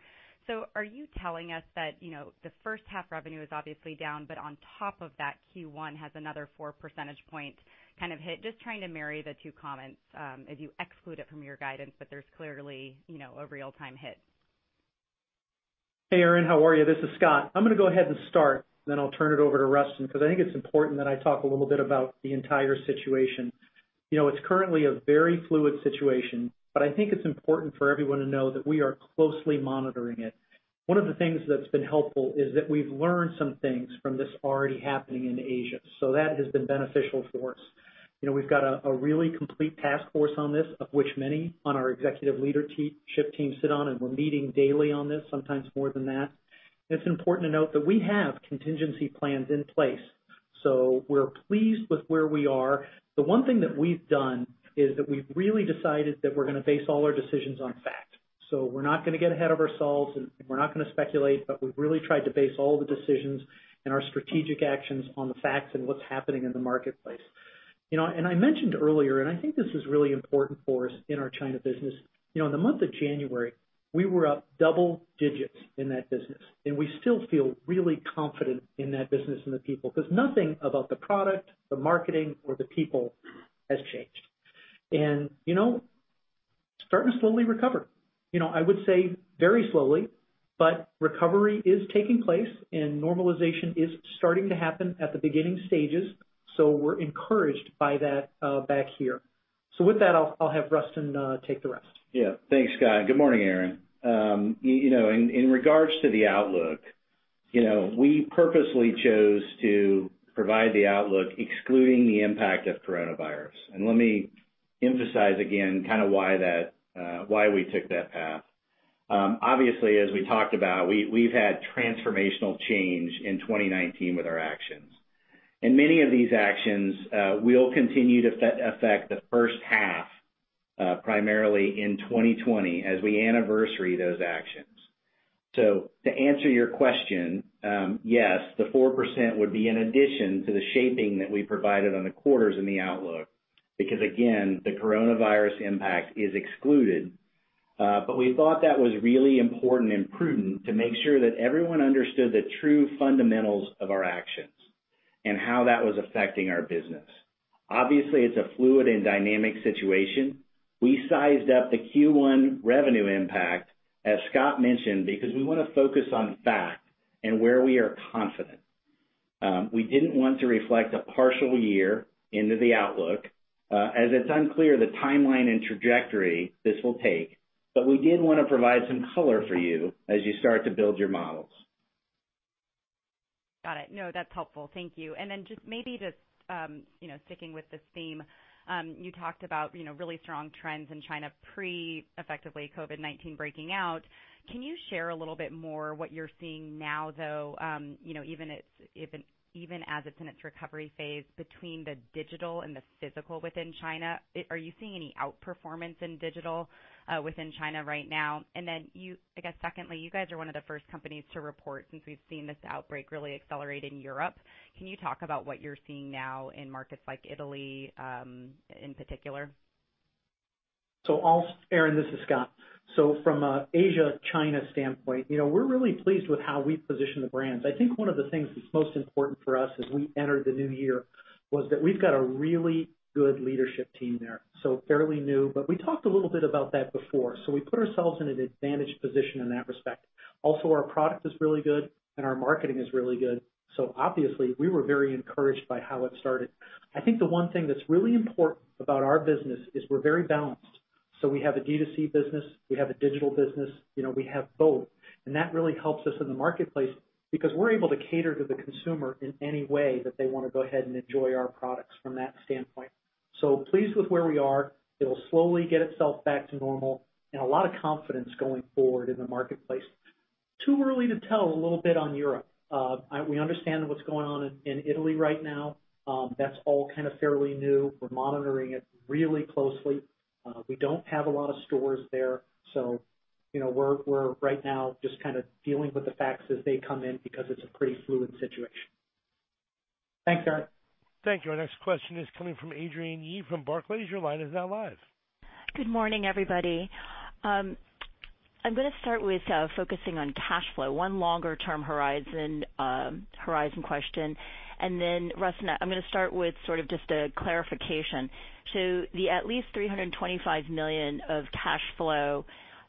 Are you telling us that the first half revenue is obviously down, but on top of that, Q1 has another four percentage point hit? Just trying to marry the two comments, as you exclude it from your guidance, but there's clearly a real-time hit. Hey, Erinn, how are you? This is Scott. I'm going to go ahead and start, then I'll turn it over to Rustin, because I think it's important that I talk a little bit about the entire situation. It's currently a very fluid situation, but I think it's important for everyone to know that we are closely monitoring it. One of the things that's been helpful is that we've learned some things from this already happening in Asia, so that has been beneficial for us. We've got a really complete task force on this, of which many on our executive leadership team sit on, and we're meeting daily on this, sometimes more than that. It's important to note that we have contingency plans in place, so we're pleased with where we are. The one thing that we've done is that we've really decided that we're going to base all our decisions on fact. We're not going to get ahead of ourselves, and we're not going to speculate, but we've really tried to base all the decisions and our strategic actions on the facts and what's happening in the marketplace. I mentioned earlier, and I think this is really important for us in our China business. In the month of January, we were up double digits in that business, and we still feel really confident in that business and the people, because nothing about the product, the marketing, or the people has changed. Starting to slowly recover. I would say very slowly, but recovery is taking place and normalization is starting to happen at the beginning stages, so we're encouraged by that back here. With that, I'll have Rustin take the rest. Yeah. Thanks, Scott. Good morning, Erinn. In regard to the outlook, we purposely chose to provide the outlook excluding the impact of coronavirus. Let me emphasize again kind of why we took that path. Obviously, as we talked about, we've had a transformational change in 2019 with our actions. Many of these actions will continue to affect the first half, primarily in 2020 as we anniversary those actions. To answer your question, yes, the 4% would be in addition to the shaping that we provided on the quarters in the outlook. Because, again, the coronavirus impact is excluded. We thought that was really important and prudent to make sure that everyone understood the true fundamentals of our actions and how that was affecting our business. Obviously, it's a fluid and dynamic situation. We sized up the Q1 revenue impact, as Scott mentioned, because we want to focus on fact and where we are confident. We didn't want to reflect a partial year into the outlook, as it's unclear the timeline and trajectory this will take. We did want to provide some color for you as you start to build your models. Got it. No, that's helpful. Thank you. Just maybe just sticking with this theme. You talked about really strong trends in China pre effectively COVID-19 breaking out. Can you share a little bit more what you're seeing now, though even as it's in its recovery phase between the digital and the physical within China? Are you seeing any outperformance in digital within China right now? I guess secondly you guys are one of the first companies to report since we've seen this outbreak really accelerate in Europe. Can you talk about what you're seeing now in markets like Italy, in particular? Erinn, this is Scott. From an Asia, China standpoint, we're really pleased with how we position the brands. I think one of the things that's most important for us as we enter the new year was that we've got a really good leadership team there. Fairly new, but we talked a little bit about that before. We put ourselves in an advantaged position in that respect. Also, our product is really good, and our marketing is really good. Obviously, we were very encouraged by how it started. I think the one thing that's really important about our business is we're very balanced. We have a D2C business, we have a digital business. We have both. That really helps us in the marketplace because we're able to cater to the consumer in any way that they want to go ahead and enjoy our products from that standpoint. Pleased with where we are. It'll slowly get itself back to normal and a lot of confidence is going forward in the marketplace. Too early to tell a little bit on Europe. We understand what's going on in Italy right now. That's all kind of fairly new. We're monitoring it really closely. We don't have a lot of stores there. We're right now just kind of dealing with the facts as they come in because it's a pretty fluid situation. Thanks, Erinn. Thank you. Our next question is coming from Adrienne Yih from Barclays. Your line is now live. Good morning, everybody. I'm going to start with focusing on cash flow, one longer-term Horizon question. Rustin, I'm going to start with sort of just a clarification. The at least $325 million of cash flow,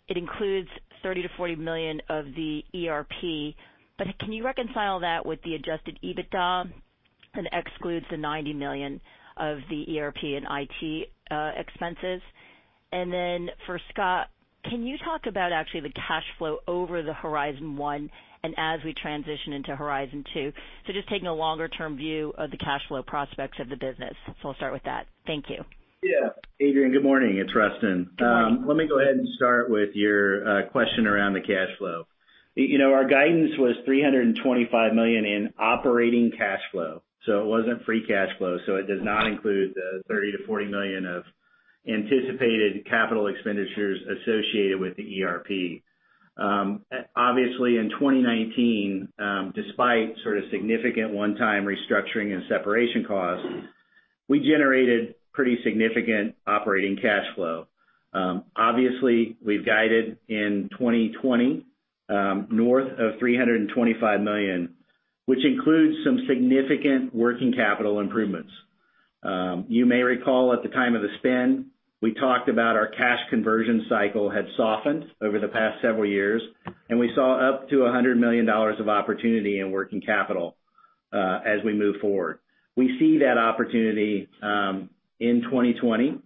it includes $30 million-$40 million of the ERP, but can you reconcile that with the adjusted EBITDA and exclude the $90 million of the ERP and IT expenses? For Scott, can you talk about actually the cash flow over the Horizon 1 and as we transition into Horizon 2? Just taking a longer-term view of the cash flow prospects of the business. I'll start with that. Thank you. Yeah. Adrienne, good morning. It's Rustin. Let me go ahead and start with your question around the cash flow. Our guidance was $325 million in operating cash flow, so it wasn't free cash flow. It does not include the $30 million-$40 million of anticipated capital expenditures associated with the ERP. Obviously, in 2019, despite sort of significant one-time restructuring and separation costs, we generated a pretty significant operating cash flow. Obviously, we've guided in 2020, north of $325 million, which includes some significant working capital improvements. You may recall at the time of the spin, we talked about our cash conversion cycle had softened over the past several years, and we saw up to $100 million of opportunity in working capital. As we move forward. We see that opportunity in 2020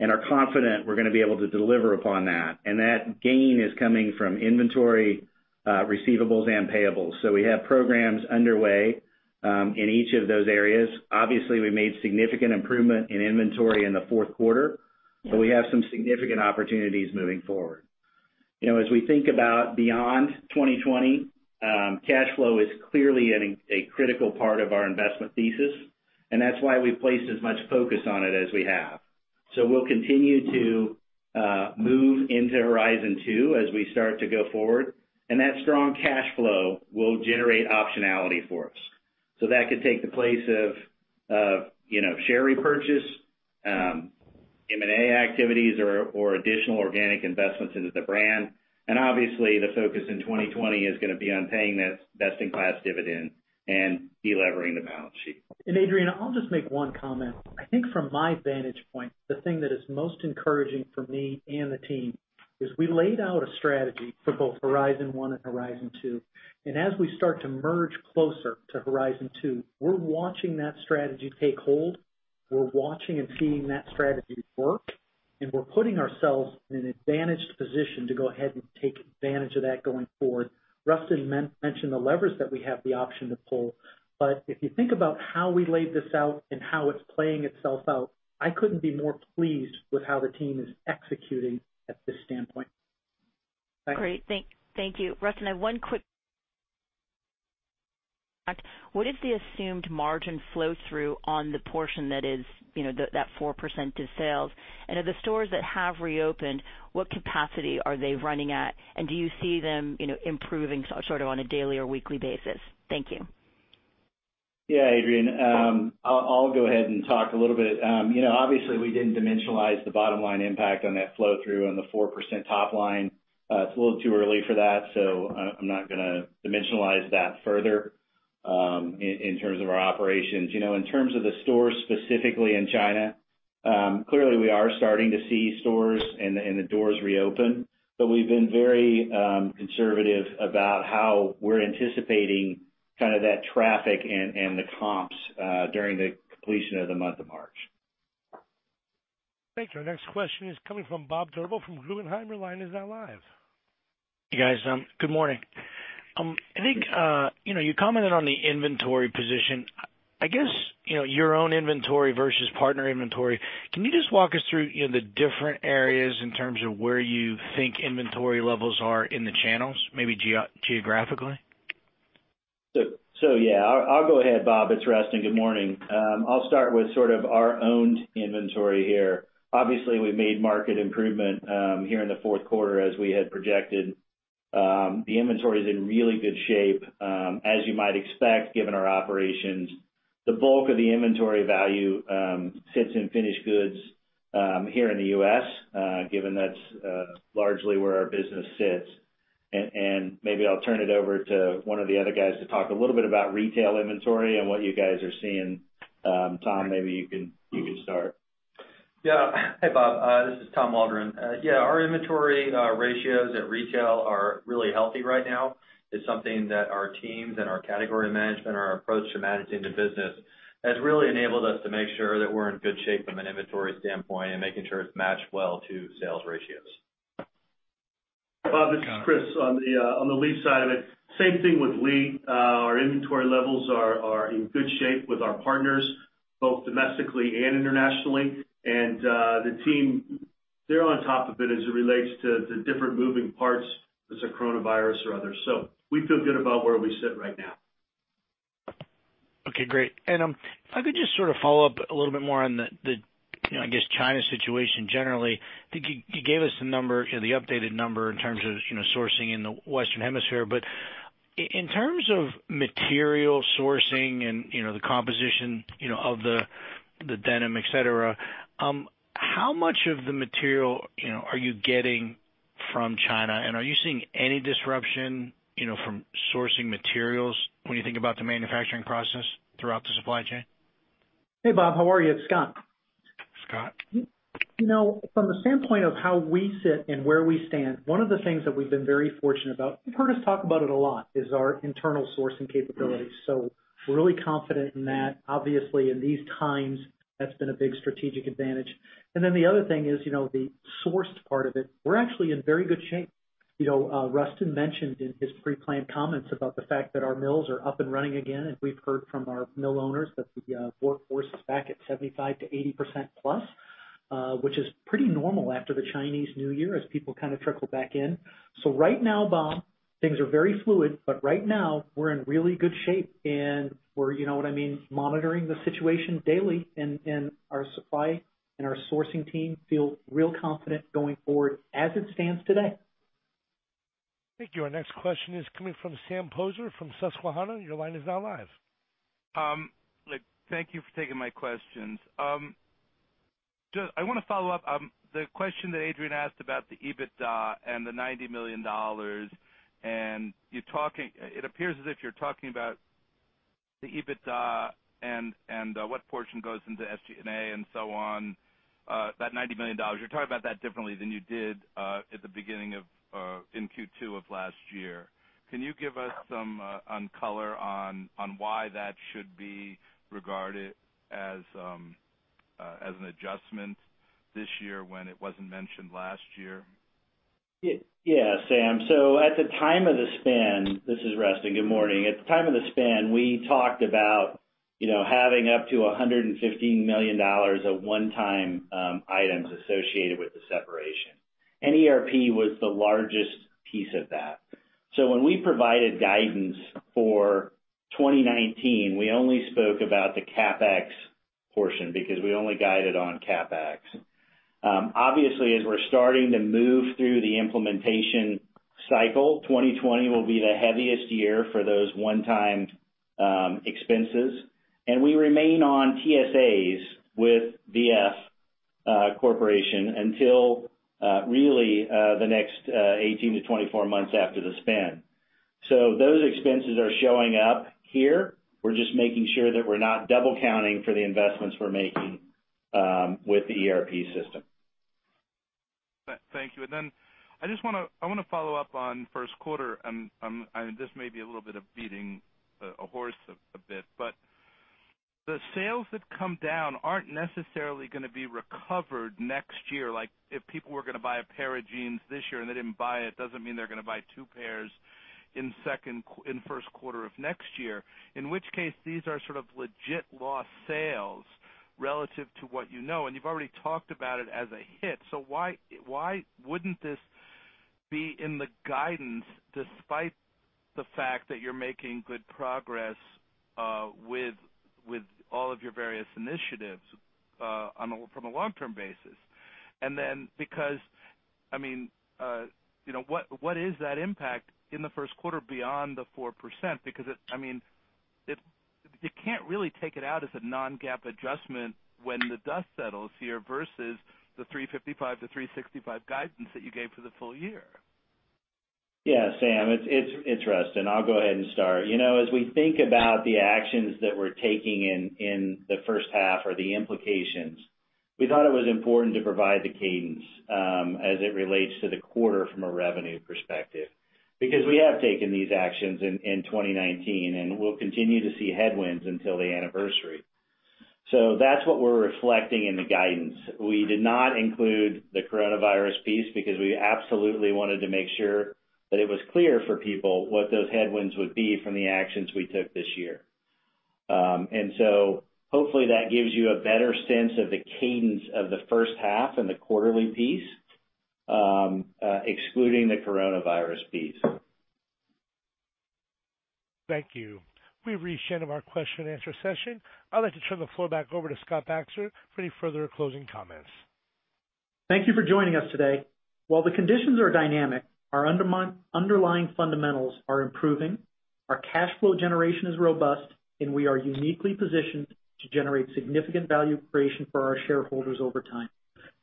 and are confident we're going to be able to deliver upon that. That gain is coming from inventory, receivables, and payables. We have programs underway in each of those areas. Obviously, we made significant improvement in inventory in the fourth quarter, but we have some significant opportunities moving forward. As we think about beyond 2020, cash flow is clearly a critical part of our investment thesis, and that's why we place as much focus on it as we have. We'll continue to move into Horizon 2 as we start to go forward, and that strong cash flow will generate optionality for us. That could take the place of share repurchase, M&A activities or additional organic investments into the brand. Obviously, the focus in 2020 is going to be on paying this best-in-class dividend and de-levering the balance sheet. Adrienne, I'll just make one comment. I think from my vantage point, the thing that is most encouraging for me and the team is we laid out a strategy for both Horizon 1 and Horizon 2. As we start to merge closer to Horizon 2, we're watching that strategy take hold. We're watching and seeing that strategy work, and we're putting ourselves in an advantaged position to go ahead and take advantage of that going forward. Rustin mentioned the levers that we have the option to pull. If you think about how we laid this out and how it's playing itself out, I couldn't be more pleased with how the team is executing at this standpoint. Great. Thank you. Rustin, I have one quick. What is the assumed margin flow-through on the portion that is that 4% of sales? Of the stores that have reopened, what capacity are they running at? Do you see them improving sort of on a daily or weekly basis? Thank you. Yeah, Adrienne. I'll go ahead and talk a little bit. Obviously, we didn't dimensionalize the bottom-line impact on that flow-through on the 4% top line. It's a little too early for that. I'm not going to dimensionalize that further in terms of our operations. In terms of the stores specifically in China, clearly we are starting to see stores and the doors reopen. We've been very conservative about how we're anticipating that traffic and the comps during the completion of the month of March. Thank you. Our next question is coming from Bob Drbul from Guggenheim. Your line is now live. Hey, guys. Good morning. I think you commented on the inventory position. I guess, your own inventory versus partner inventory. Can you just walk us through the different areas in terms of where you think inventory levels are in the channels, maybe geographically? Yeah, I'll go ahead, Bob. It's Rustin. Good morning. I'll start with sort of our owned inventory here. Obviously, we made market improvement here in the fourth quarter as we had projected. The inventory is in really good shape as you might expect, given our operations. The bulk of the inventory value sits in finished goods here in the U.S., given that's largely where our business sits. Maybe I'll turn it over to one of the other guys to talk a little bit about retail inventory and what you guys are seeing. Tom, maybe you can start. Hey, Bob. This is Tom Waldron. Our inventory ratios at retail are really healthy right now. It's something that our teams and our category management, our approach to managing the business, has really enabled us to make sure that we're in good shape from an inventory standpoint and making sure it's matched well to sales ratios. Bob, this is Chris. On the Lee side of it, same thing with Lee. Our inventory levels are in good shape with our partners, both domestically and internationally. The team, they're on top of it as it relates to different moving parts such as coronavirus or others. We feel good about where we sit right now. Okay, great. If I could just sort of follow up a little bit more on the, I guess, China situation generally. I think you gave us the number, the updated number in terms of sourcing in the Western Hemisphere. In terms of material sourcing and the composition of the denim, et cetera, how much of the material are you getting from China? Are you seeing any disruption from sourcing materials when you think about the manufacturing process throughout the supply chain? Hey, Bob. How are you? It's Scott. Hi, Scott. From the standpoint of how we sit and where we stand, one of the things that we've been very fortunate about, you've heard us talk about it a lot, is our internal sourcing capabilities. We're really confident in that. Obviously, in these times, that's been a big strategic advantage. The other thing is, the sourced part of it, we're actually in very good shape. Rustin mentioned in his pre-planned comments about the fact that our mills are up and running again, and we've heard from our mill owners that the workforce is back at 75% to 80%+, which is pretty normal after the Chinese New Year as people kind of trickle back in. Right now, Bob, things are very fluid, but right now we're in really good shape, and we're, you know what I mean, monitoring the situation daily, and our supply and our sourcing team feel real confident going forward as it stands today. Thank you. Our next question is coming from Sam Poser from Susquehanna. Your line is now live. Thank you for taking my questions. I want to follow up the question that Adrienne asked about the EBITDA and the $90 million. It appears as if you're talking about the EBITDA and what portion goes into SG&A and so on, that $90 million. You're talking about that differently than you did in Q2 of last year. Can you give us some color on why that should be regarded as an adjustment this year when it wasn't mentioned last year? Yeah, Sam. At the time of the spin, this is Rustin. Good morning. At the time of the spin, we talked about having up to $115 million of one-time items associated with the separation. ERP was the largest piece of that. When we provided guidance for 2019, we only spoke about the CapEx portion because we only guided on CapEx. Obviously, as we're starting to move through the implementation cycle, 2020 will be the heaviest year for those one-time expenses. We remain on TSAs with VF Corporation until really the next 18 to 24 months after the spin. Those expenses are showing up here. We're just making sure that we're not double counting for the investments we're making with the ERP system. Thank you. I want to follow up on first quarter, and this may be a little bit of beating a horse a bit, but the sales that come down aren't necessarily going to be recovered next year. If people were going to buy a pair of jeans this year and they didn't buy it, doesn't mean they're going to buy two pairs in first quarter of next year. In which case, these are sort of legit lost sales relative to what you know, and you've already talked about it as a hit. Why wouldn't this be in the guidance despite the fact that you're making good progress with all of your various initiatives from a long-term basis? What is that impact in the first quarter beyond the 4%? Because you can't really take it out as a non-GAAP adjustment when the dust settles here, versus the $355-$365 guidance that you gave for the full year. Yeah, Sam, it's Rustin. I'll go ahead and start. As we think about the actions that we're taking in the first half or the implications, we thought it was important to provide the cadence as it relates to the quarter from a revenue perspective. Because we have taken these actions in 2019, and we'll continue to see headwinds until the anniversary. That's what we're reflecting in the guidance. We did not include the coronavirus piece because we absolutely wanted to make sure that it was clear for people what those headwinds would be from the actions we took this year. Hopefully, that gives you a better sense of the cadence of the first half and the quarterly piece, excluding the coronavirus piece. Thank you. We've reached the end of our question-and-answer session. I'd like to turn the floor back over to Scott Baxter for any further closing comments. Thank you for joining us today. While the conditions are dynamic, our underlying fundamentals are improving, our cash flow generation is robust, and we are uniquely positioned to generate significant value creation for our shareholders over time.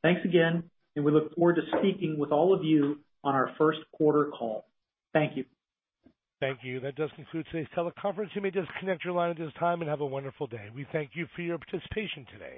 Thanks again, and we look forward to speaking with all of you on our first quarter call. Thank you. Thank you. That does conclude today's teleconference. You may disconnect your line at this time, and have a wonderful day. We thank you for your participation today.